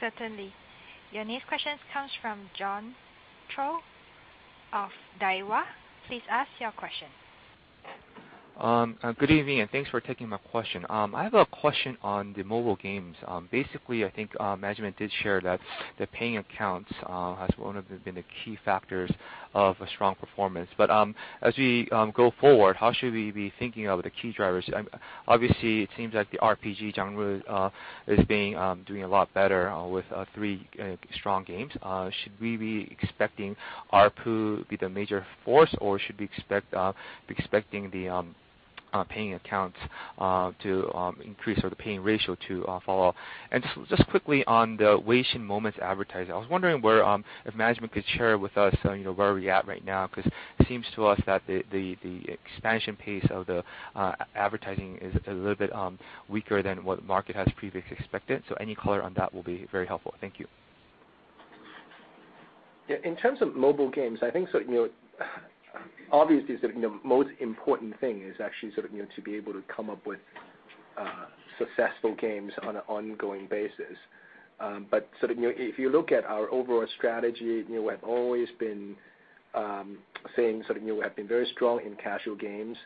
Certainly. Your next question comes from John Choi of Daiwa. Please ask your question. Good evening, and thanks for taking my question. I have a question on the mobile games. Basically, I think management did share that the paying accounts has been one of the key factors of a strong performance. As we go forward, how should we be thinking of the key drivers? Obviously, it seems that the RPG genre is doing a lot better with three strong games. Should we be expecting ARPU be the major force, or should we be expecting the paying accounts to increase or the paying ratio to fall? Just quickly on the Weixin Moments advertising, I was wondering if management could share with us where we are at right now, because it seems to us that the expansion pace of the advertising is a little bit weaker than what the market has previously expected. Any color on that will be very helpful. Thank you. Yeah. In terms of mobile games, I think obviously the most important thing is actually to be able to come up with successful games on an ongoing basis. If you look at our overall strategy, we have always been saying we have been very strong in casual games,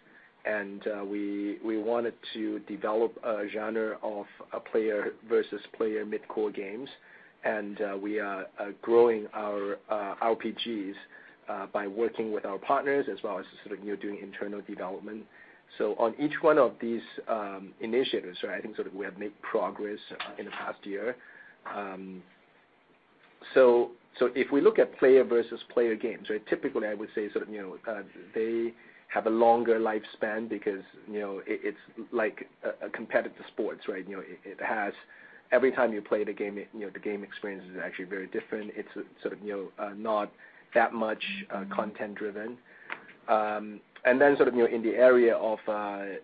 and we wanted to develop a genre of player versus player mid-core games. We are growing our RPGs by working with our partners as well as doing internal development. On each one of these initiatives, I think we have made progress in the past year. If we look at player versus player games, typically, I would say they have a longer lifespan because it's like a competitive sports. Every time you play the game, the game experience is actually very different. It's not that much content driven. In the area of RPGs,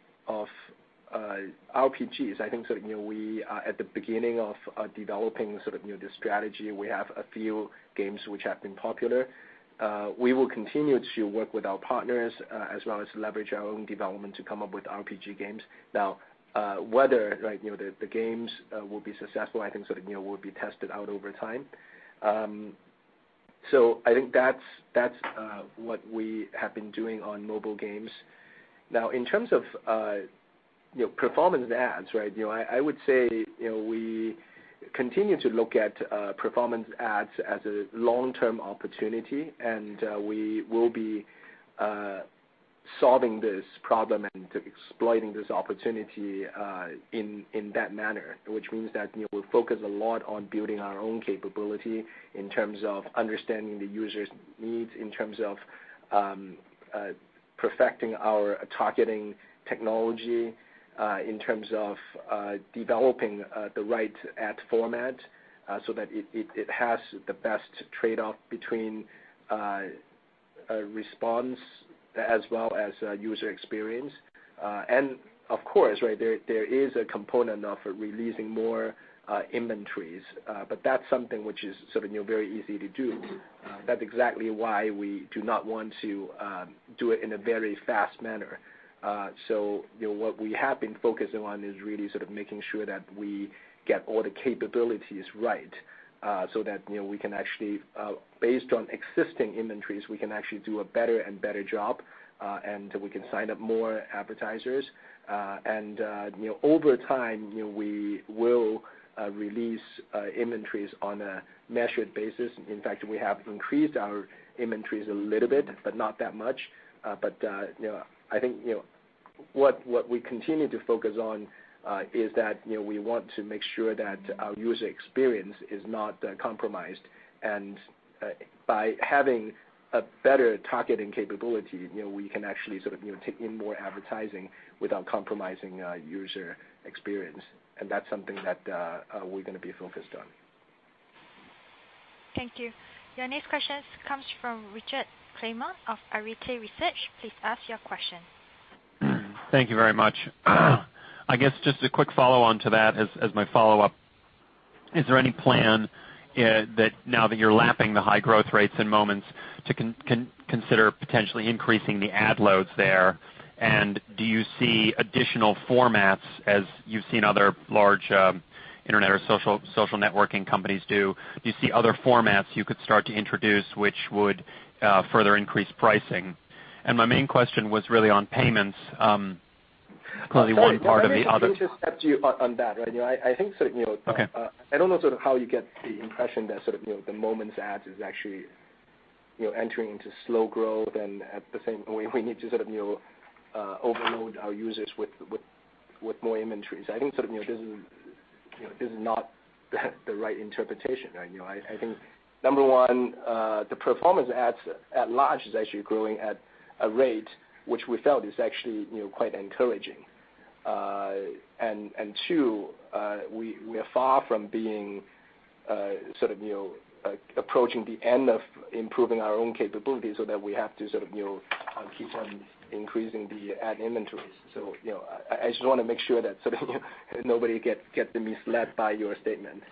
I think we are at the beginning of developing this strategy. We have a few games which have been popular. We will continue to work with our partners as well as leverage our own development to come up with RPG games. Whether the games will be successful, I think will be tested out over time. I think that's what we have been doing on mobile games. In terms of performance ads, I would say we continue to look at performance ads as a long-term opportunity, and we will be Solving this problem and exploiting this opportunity in that manner, which means that we'll focus a lot on building our own capability in terms of understanding the user's needs, in terms of perfecting our targeting technology, in terms of developing the right ad format so that it has the best trade-off between response as well as user experience. Of course, right, there is a component of releasing more inventories, but that's something which is very easy to do. That's exactly why we do not want to do it in a very fast manner. What we have been focusing on is really sort of making sure that we get all the capabilities right, so that based on existing inventories, we can actually do a better and better job, and we can sign up more advertisers. Over time, we will release inventories on a measured basis. In fact, we have increased our inventories a little bit, but not that much. I think what we continue to focus on is that we want to make sure that our user experience is not compromised. By having a better targeting capability, we can actually sort of take in more advertising without compromising user experience. That's something that we're gonna be focused on. Thank you. Your next questions comes from Richard Kramer of Arete Research. Please ask your question. Thank you very much. I guess just a quick follow-on to that as my follow-up. Is there any plan that now that you're lapping the high growth rates in Moments to consider potentially increasing the ad loads there? Do you see additional formats as you've seen other large internet or social networking companies do? Do you see other formats you could start to introduce, which would further increase pricing? My main question was really on payments, clearly one of the other- Sorry, let me just stop you on that. I think- Okay I don't know how you get the impression that the Moments ads is actually entering into slow growth and at the same way, we need to sort of overload our users with more inventories. I think this is not the right interpretation. I think, number one, the performance ads at large is actually growing at a rate which we felt is actually quite encouraging. Two, we are far from being approaching the end of improving our own capabilities so that we have to sort of keep on increasing the ad inventories. I just want to make sure that nobody gets misled by your statement.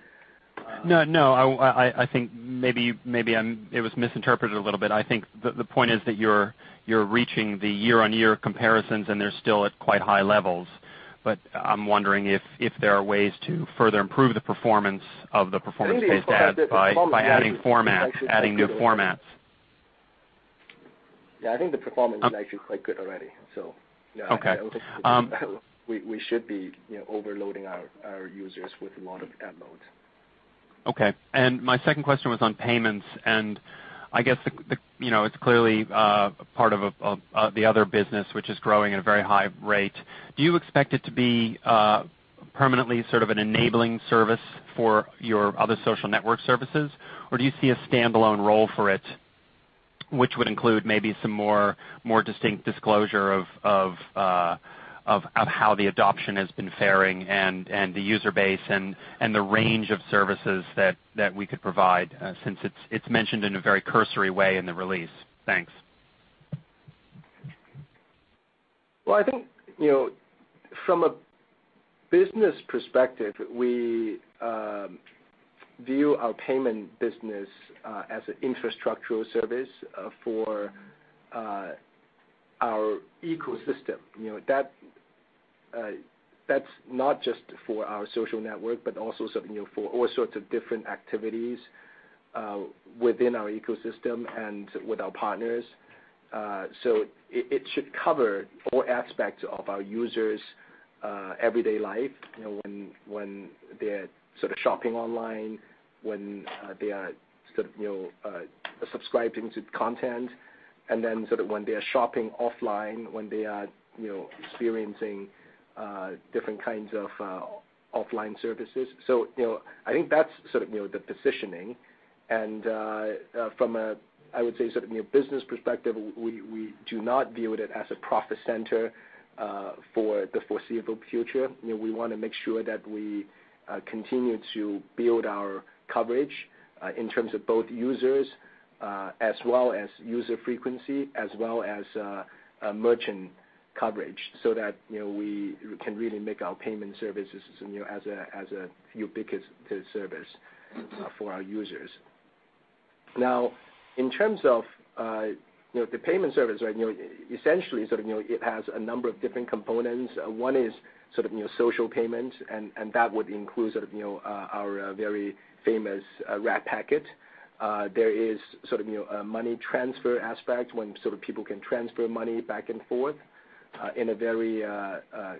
I think maybe it was misinterpreted a little bit. I think the point is that you're reaching the year-on-year comparisons, and they're still at quite high levels. I'm wondering if there are ways to further improve the performance of the performance-based ads- Maybe it's because the performance- by adding format, adding new formats. I think the performance is actually quite good already. Okay I don't think that we should be overloading our users with a lot of ad loads. Okay. My second question was on payments, I guess it's clearly part of the other business, which is growing at a very high rate. Do you expect it to be permanently sort of an enabling service for your other social network services? Or do you see a standalone role for it, which would include maybe some more distinct disclosure of how the adoption has been faring and the user base and the range of services that we could provide, since it's mentioned in a very cursory way in the release. Thanks. Well, I think, from a business perspective, we view our payment business as an infrastructural service for our ecosystem. That's not just for our social network, but also sort of for all sorts of different activities within our ecosystem and with our partners. It should cover all aspects of our users' everyday life, when they're sort of shopping online, when they are sort of subscribing to content, then sort of when they are shopping offline, when they are experiencing different kinds of offline services. I think that's sort of the positioning, from a, I would say, business perspective, we do not view it as a profit center for the foreseeable future. We want to make sure that we continue to build our coverage, in terms of both users, as well as user frequency, as well as merchant coverage so that we can really make our payment services as a ubiquitous service for our users. In terms of the payment service, essentially, it has a number of different components. One is social payment, and that would include our very famous Red Packet. There is a money transfer aspect when people can transfer money back and forth. In a very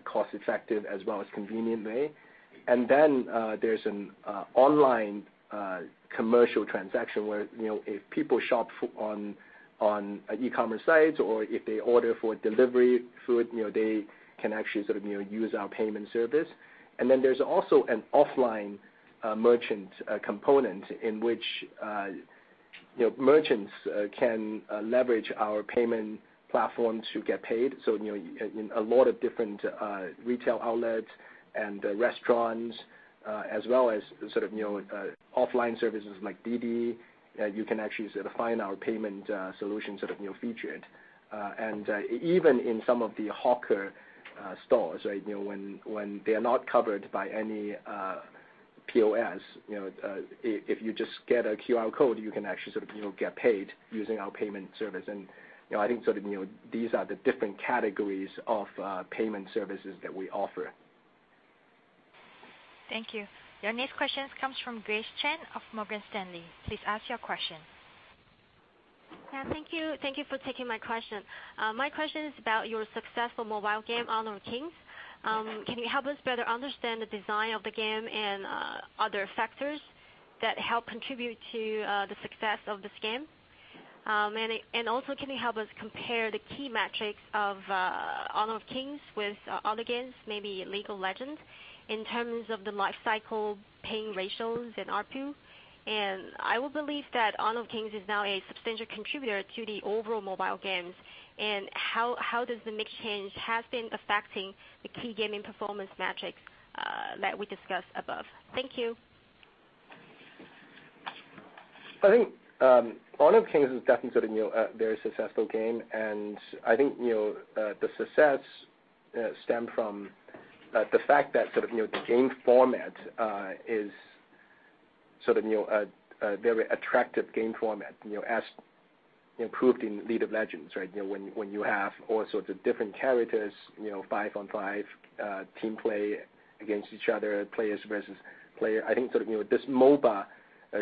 cost-effective as well as convenient way. There's an online commercial transaction where if people shop on e-commerce sites or if they order for delivery food, they can actually use our payment service. There's also an offline merchant component in which merchants can leverage our payment platform to get paid. A lot of different retail outlets and restaurants as well as offline services like DiDi, you can actually find our payment solution featured. Even in some of the hawker stores, when they are not covered by any POS, if you just get a QR code, you can actually get paid using our payment service. I think these are the different categories of payment services that we offer. Thank you. Your next question comes from Grace Chen of Morgan Stanley. Please ask your question. Thank you. Thank you for taking my question. My question is about your successful mobile game, Honor of Kings. Can you help us better understand the design of the game and other factors that help contribute to the success of this game? Also, can you help us compare the key metrics of Honor of Kings with other games, maybe League of Legends, in terms of the life cycle paying ratios and ARPU? I will believe that Honor of Kings is now a substantial contributor to the overall mobile games. How does the mix change has been affecting the key gaming performance metrics that we discussed above? Thank you. I think Honor of Kings is definitely a very successful game, and I think the success stemmed from the fact that the game format is a very attractive game format, as improved in League of Legends, right? When you have all sorts of different characters, five-on-five team play against each other, players versus player. I think this MOBA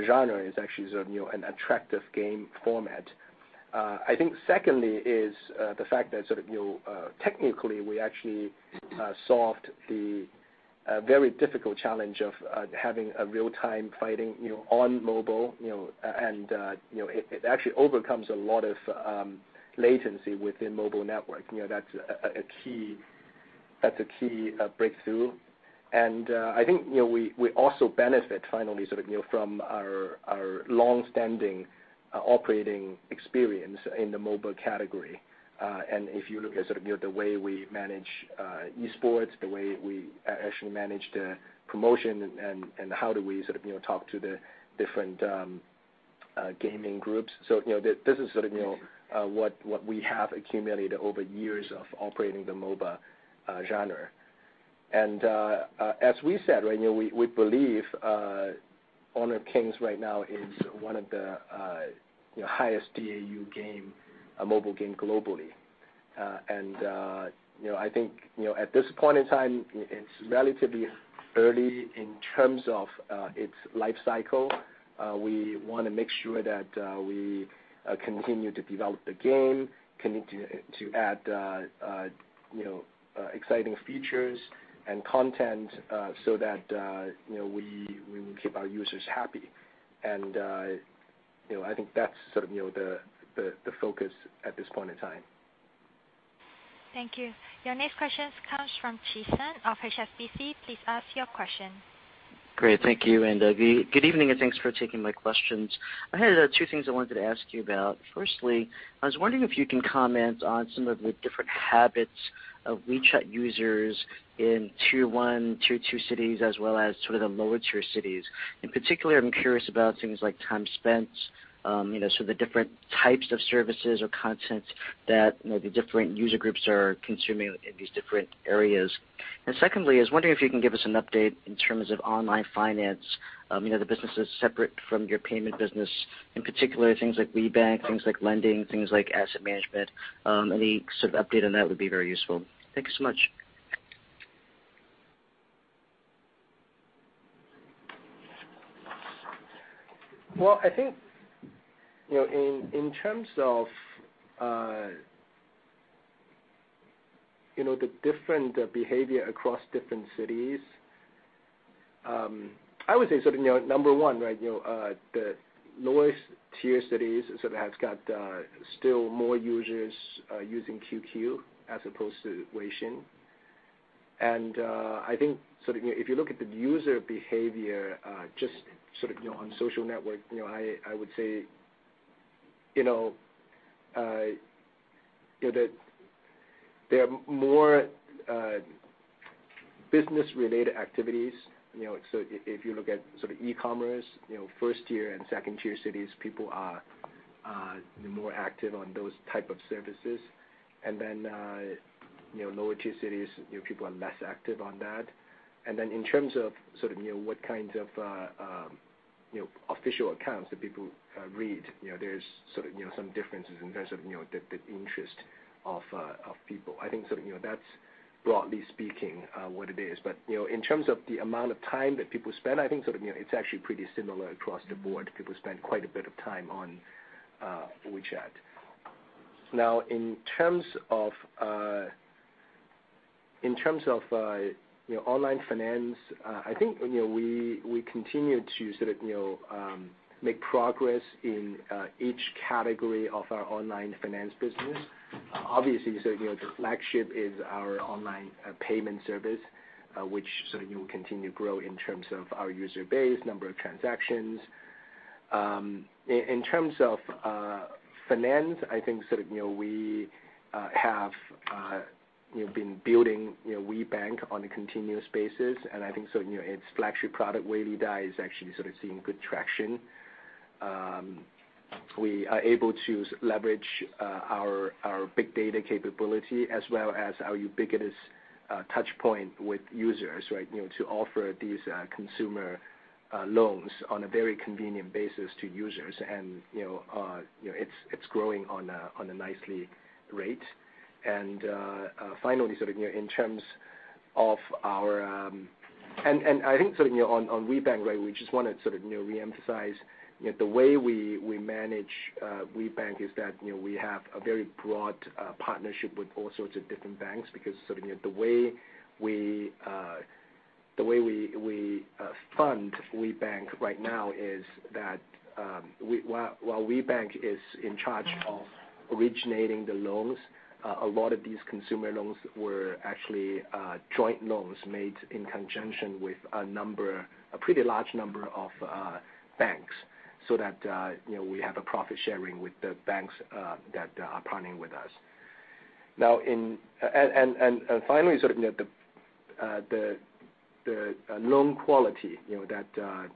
genre is actually an attractive game format. I think secondly is the fact that technically we actually solved the very difficult challenge of having a real-time fighting on mobile, and it actually overcomes a lot of latency within mobile network. That's a key breakthrough. I think we also benefit finally from our longstanding operating experience in the mobile category. If you look at the way we manage esports, the way we actually manage the promotion, and how do we talk to the different gaming groups. This is what we have accumulated over years of operating the MOBA genre. As we said, we believe Honor of Kings right now is one of the highest DAU mobile game globally. I think at this point in time, it's relatively early in terms of its life cycle. We want to make sure that we continue to develop the game, continue to add exciting features and content so that we will keep our users happy. I think that's the focus at this point in time. Thank you. Your next question comes from Chi Tsang of HSBC. Please ask your question. Great. Thank you. Good evening, and thanks for taking my questions. I had two things I wanted to ask you about. Firstly, I was wondering if you can comment on some of the different habits of WeChat users in tier 1, tier 2 cities, as well as sort of the lower-tier cities. In particular, I'm curious about things like time spent, so the different types of services or content that the different user groups are consuming in these different areas. Secondly, I was wondering if you can give us an update in terms of online finance, the businesses separate from your payment business, in particular, things like WeBank, things like lending, things like asset management. Any update on that would be very useful. Thank you so much. Well, I think in terms of the different behavior across different cities, I would say number 1, the lowest tier cities sort of have got still more users using QQ as opposed to Weixin. I think if you look at the user behavior just on social network, I would say that there are more business-related activities. If you look at sort of e-commerce, 1st tier and 2nd tier cities, people are more active on those type of services. Lower-tier cities, people are less active on that. In terms of what kinds of official accounts that people read, there's some differences in terms of the interest of people. I think that's broadly speaking, what it is. In terms of the amount of time that people spend, I think it's actually pretty similar across the board. People spend quite a bit of time on WeChat. Now, in terms of online finance, I think we continue to sort of make progress in each category of our online finance business. Obviously, the flagship is our online payment service, which will continue to grow in terms of our user base, number of transactions. In terms of finance, I think we have been building WeBank on a continuous basis, and I think its flagship product, Weilidai, is actually seeing good traction. We are able to leverage our big data capability as well as our ubiquitous touchpoint with users to offer these consumer loans on a very convenient basis to users, and it's growing on a nicely rate. I think on WeBank, we just want to re-emphasize the way we manage WeBank is that we have a very broad partnership with all sorts of different banks, because the way we fund WeBank right now is that while WeBank is in charge of originating the loans, a lot of these consumer loans were actually joint loans made in conjunction with a pretty large number of banks, so that we have a profit-sharing with the banks that are partnering with us. Finally, the loan quality that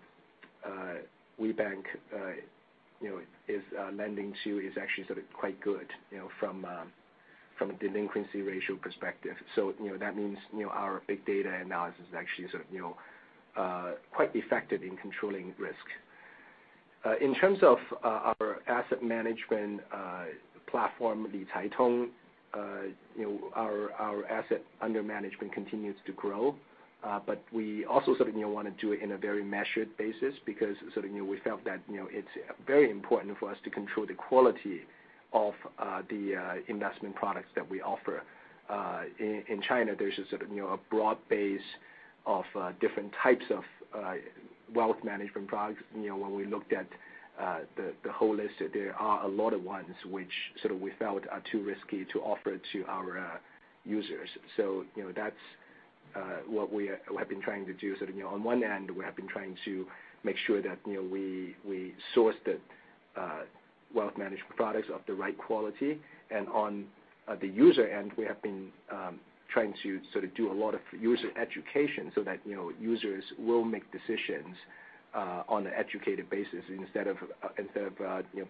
WeBank is lending to is actually quite good from a delinquency ratio perspective. That means our big data analysis is actually quite effective in controlling risk. In terms of our asset management platform, our asset under management continues to grow. We also want to do it in a very measured basis, because we felt that it's very important for us to control the quality of the investment products that we offer. In China, there's a broad base of different types of wealth management products. When we looked at the whole list, there are a lot of ones which we felt are too risky to offer to our users. That's what we have been trying to do. On one end, we have been trying to make sure that we source the wealth management products of the right quality. On the user end, we have been trying to do a lot of user education so that users will make decisions on an educated basis instead of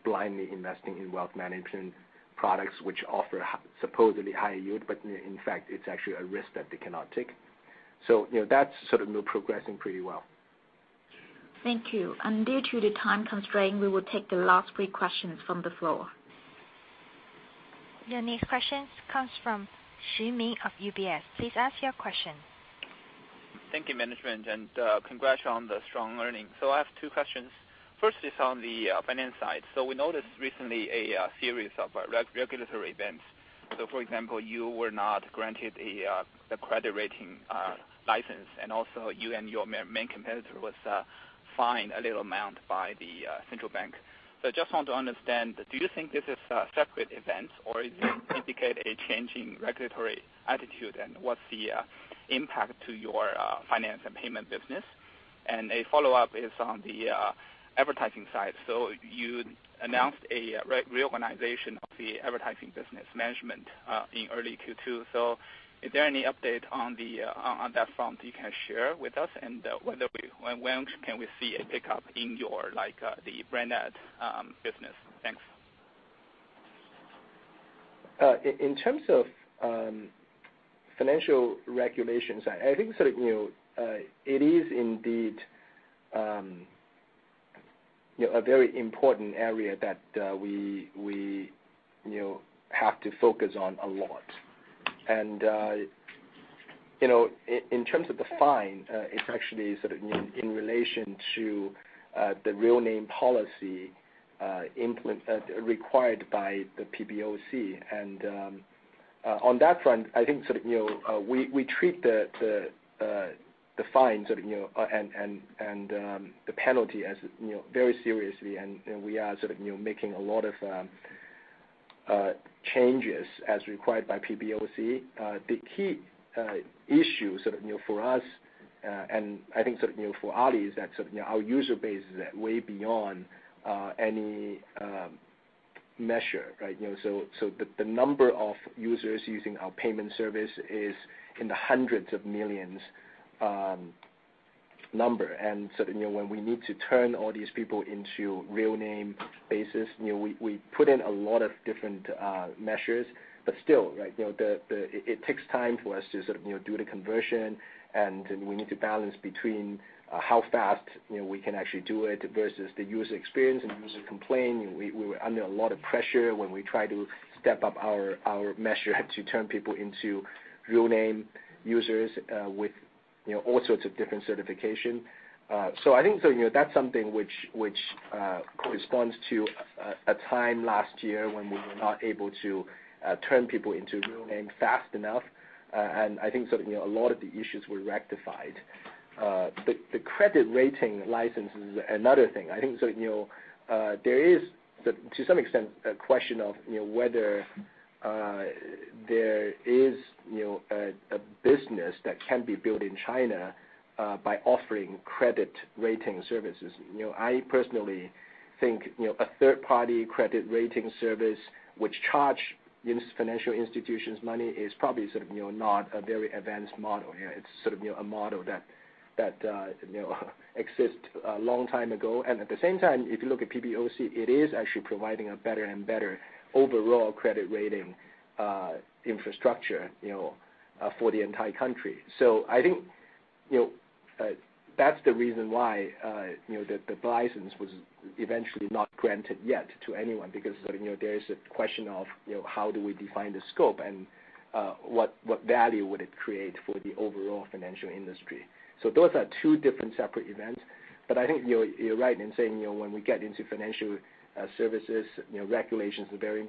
blindly investing in wealth management products which offer supposedly higher yield, but in fact, it's actually a risk that they cannot take. That's progressing pretty well. Thank you. Due to the time constraint, we will take the last three questions from the floor. Your next questions comes from Ming Xu of UBS. Please ask your question. Thank you, management, and congrats on the strong earnings. I have two questions. First is on the finance side. We noticed recently a series of regulatory events. For example, you were not granted the credit rating license, and also you and your main competitor was fined a little amount by the central bank. I just want to understand, do you think this is a separate event, or is it indicate a changing regulatory attitude, and what's the impact to your finance and payment business? A follow-up is on the advertising side. You announced a reorganization of the advertising business management in early Q2. Is there any update on that front you can share with us, and when can we see a pickup in your brand ad business? Thanks. In terms of financial regulations, I think it is indeed a very important area that we have to focus on a lot. In terms of the fine, it's actually in relation to the real name policy required by the PBOC. On that front, I think we treat the fine and the penalty very seriously, and we are making a lot of changes as required by the PBOC. The key issue for us, and I think for Ali, is that our user base is way beyond any measure. The number of users using our payment service is in the hundreds of millions number. When we need to turn all these people into real name basis, we put in a lot of different measures. Still, it takes time for us to do the conversion, and we need to balance between how fast we can actually do it versus the user experience and user complaint. We were under a lot of pressure when we try to step up our measure to turn people into real name users with all sorts of different certification. I think that's something which corresponds to a time last year when we were not able to turn people into real names fast enough. I think a lot of the issues were rectified. The credit rating license is another thing. I think there is, to some extent, a question of whether there is a business that can be built in China by offering credit rating services. I personally think a third-party credit rating service which charge these financial institutions money is probably not a very advanced model. It's a model that exists a long time ago. At the same time, if you look at PBOC, it is actually providing a better and better overall credit rating infrastructure for the entire country. I think that's the reason why the license was eventually not granted yet to anyone because there is a question of how do we define the scope, and what value would it create for the overall financial industry. Those are two different separate events. I think you're right in saying, when we get into financial services, regulations are very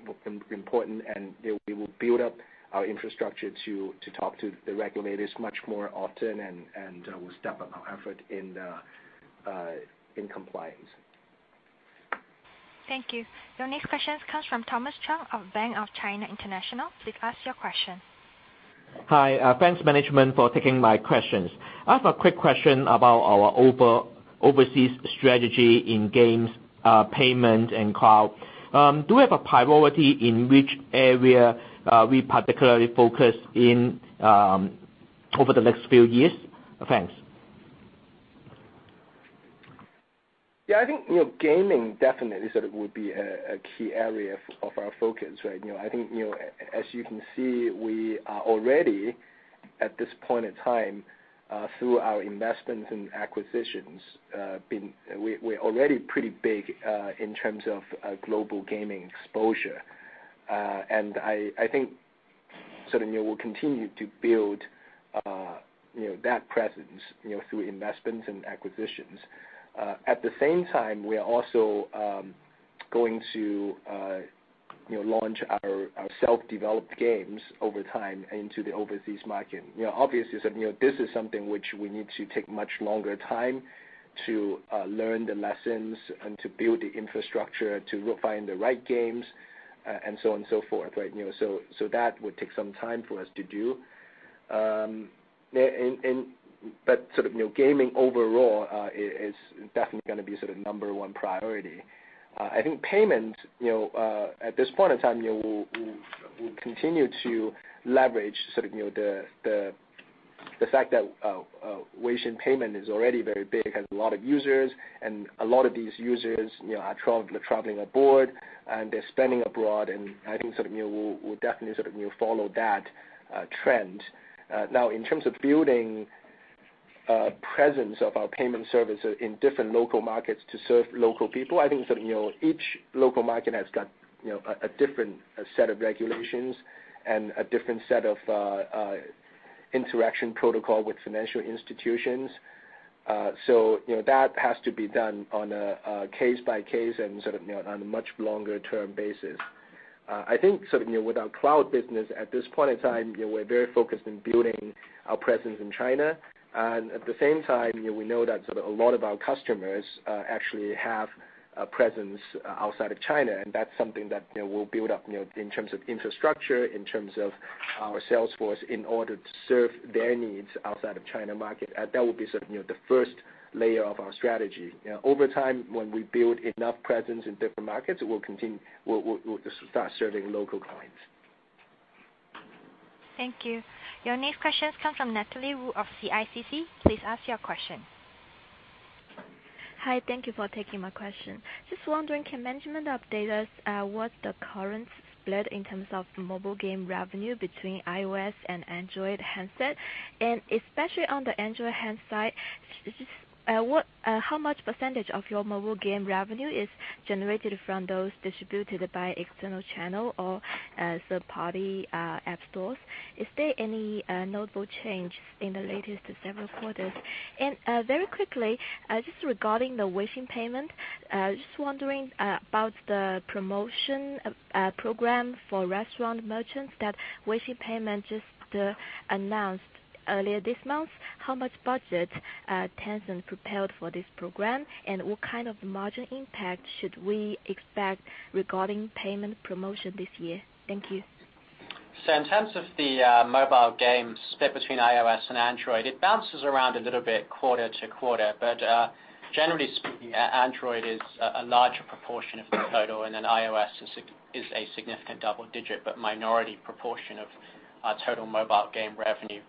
important, and we will build up our infrastructure to talk to the regulators much more often, and we'll step up our effort in compliance. Thank you. Your next question comes from Thomas Chong of Bank of China International. Please ask your question. Hi. Thanks management for taking my questions. I have a quick question about our overseas strategy in games, payment, and cloud. Do we have a priority in which area we particularly focus in over the next few years? Thanks. Yeah, I think gaming definitely would be a key area of our focus, right? I think as you can see, we are already, at this point in time, through our investments and acquisitions, we're already pretty big in terms of global gaming exposure. I think we'll continue to build that presence through investments and acquisitions. At the same time, we are also going to launch our self-developed games over time into the overseas market. Obviously, this is something which we need to take much longer time to learn the lessons and to build the infrastructure, to find the right games, and so on and so forth, right? That would take some time for us to do. Gaming overall, is definitely going to be sort of number one priority. I think payment, at this point in time, we'll continue to leverage the fact that Weixin Pay is already very big, has a lot of users, and a lot of these users are traveling abroad and they're spending abroad. I think we'll definitely follow that trend. Now, in terms of building a presence of our payment services in different local markets to serve local people, I think each local market has got a different set of regulations and a different set of interaction protocol with financial institutions. That has to be done on a case by case and on a much longer term basis. I think with our cloud business at this point in time, we're very focused on building our presence in China. At the same time, we know that a lot of our customers actually have a presence outside of China, and that's something that we'll build up, in terms of infrastructure, in terms of our sales force, in order to serve their needs outside of China market. That will be the first layer of our strategy. Over time, when we build enough presence in different markets, we'll start serving local clients. Thank you. Your next questions come from Natalie Wu of CICC. Please ask your question. Hi, thank you for taking my question. Just wondering, can management update us what the current split in terms of mobile game revenue between iOS and Android handset? Especially on the Android handset, how much percentage of your mobile game revenue is generated from those distributed by external channel or third-party app stores? Is there any notable change in the latest several quarters? Very quickly, just regarding the Weixin Pay, just wondering about the promotion program for restaurant merchants that Weixin Pay just announced earlier this month. How much budget Tencent prepared for this program, and what kind of margin impact should we expect regarding payment promotion this year? Thank you. In terms of the mobile game split between iOS and Android, it bounces around a little bit quarter to quarter. Generally speaking, Android is a larger proportion of the total, iOS is a significant double digit, but minority proportion of total mobile game revenue.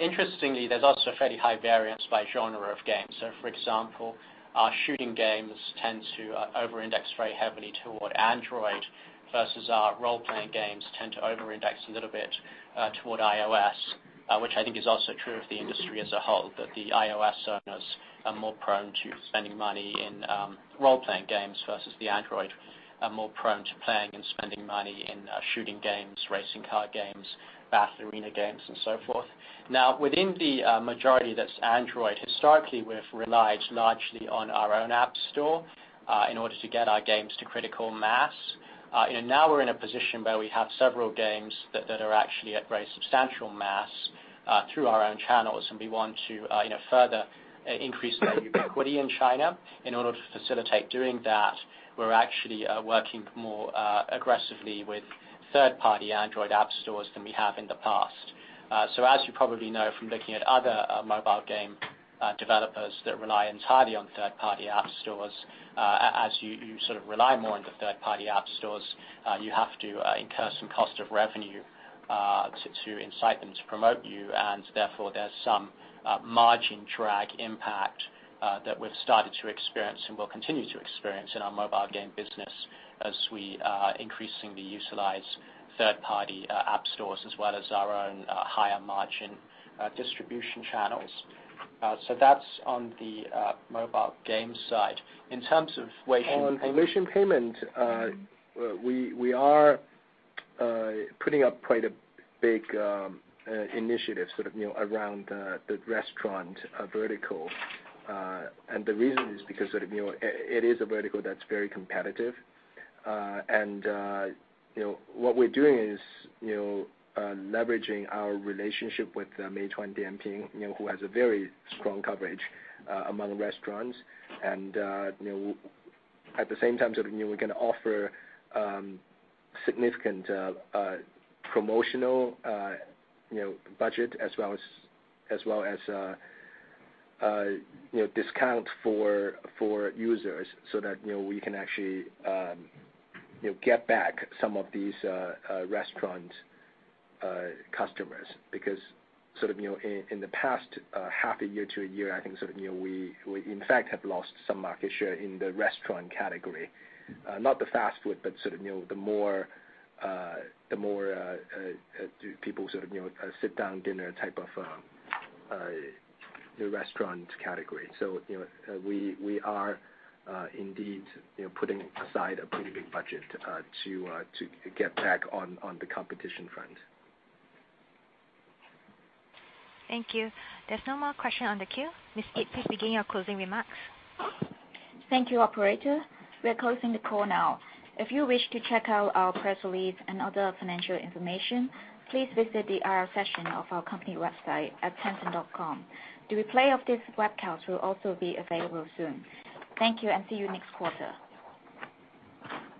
Interestingly, there's also fairly high variance by genre of games. For example, our shooting games tend to over-index very heavily toward Android, versus our role-playing games tend to over-index a little bit toward iOS, which I think is also true of the industry as a whole. That the iOS owners are more prone to spending money in role-playing games versus the Android are more prone to playing and spending money in shooting games, racing car games, battle arena games, and so forth. Within the majority that's Android, historically, we've relied largely on our own app store in order to get our games to critical mass. We're in a position where we have several games that are actually at very substantial mass through our own channels, and we want to further increase their ubiquity in China. In order to facilitate doing that, we're actually working more aggressively with third-party Android app stores than we have in the past. As you probably know from looking at other mobile game developers that rely entirely on third-party app stores, as you rely more on the third-party app stores, you have to incur some cost of revenue to incite them to promote you, and therefore, there's some margin drag impact that we've started to experience and will continue to experience in our mobile game business as we increasingly utilize third-party app stores as well as our own higher margin distribution channels. That's on the mobile games side. On Weixin Pay, we are putting up quite a big initiative around the restaurant vertical. The reason is because it is a vertical that's very competitive. What we're doing is leveraging our relationship with Meituan-Dianping, who has a very strong coverage among restaurants. At the same time, we're going to offer significant promotional budget as well as discounts for users so that we can actually get back some of these restaurant customers, because in the past half a year to a year, I think we, in fact, have lost some market share in the restaurant category. Not the fast food, but the more people sit-down dinner type of restaurant category. We are indeed putting aside a pretty big budget to get back on the competition front. Thank you. There's no more question on the queue. Miss Kit, please begin your closing remarks. Thank you, operator. We are closing the call now. If you wish to check out our press release and other financial information, please visit the IR section of our company website at tencent.com. The replay of this webcast will also be available soon. Thank you, and see you next quarter.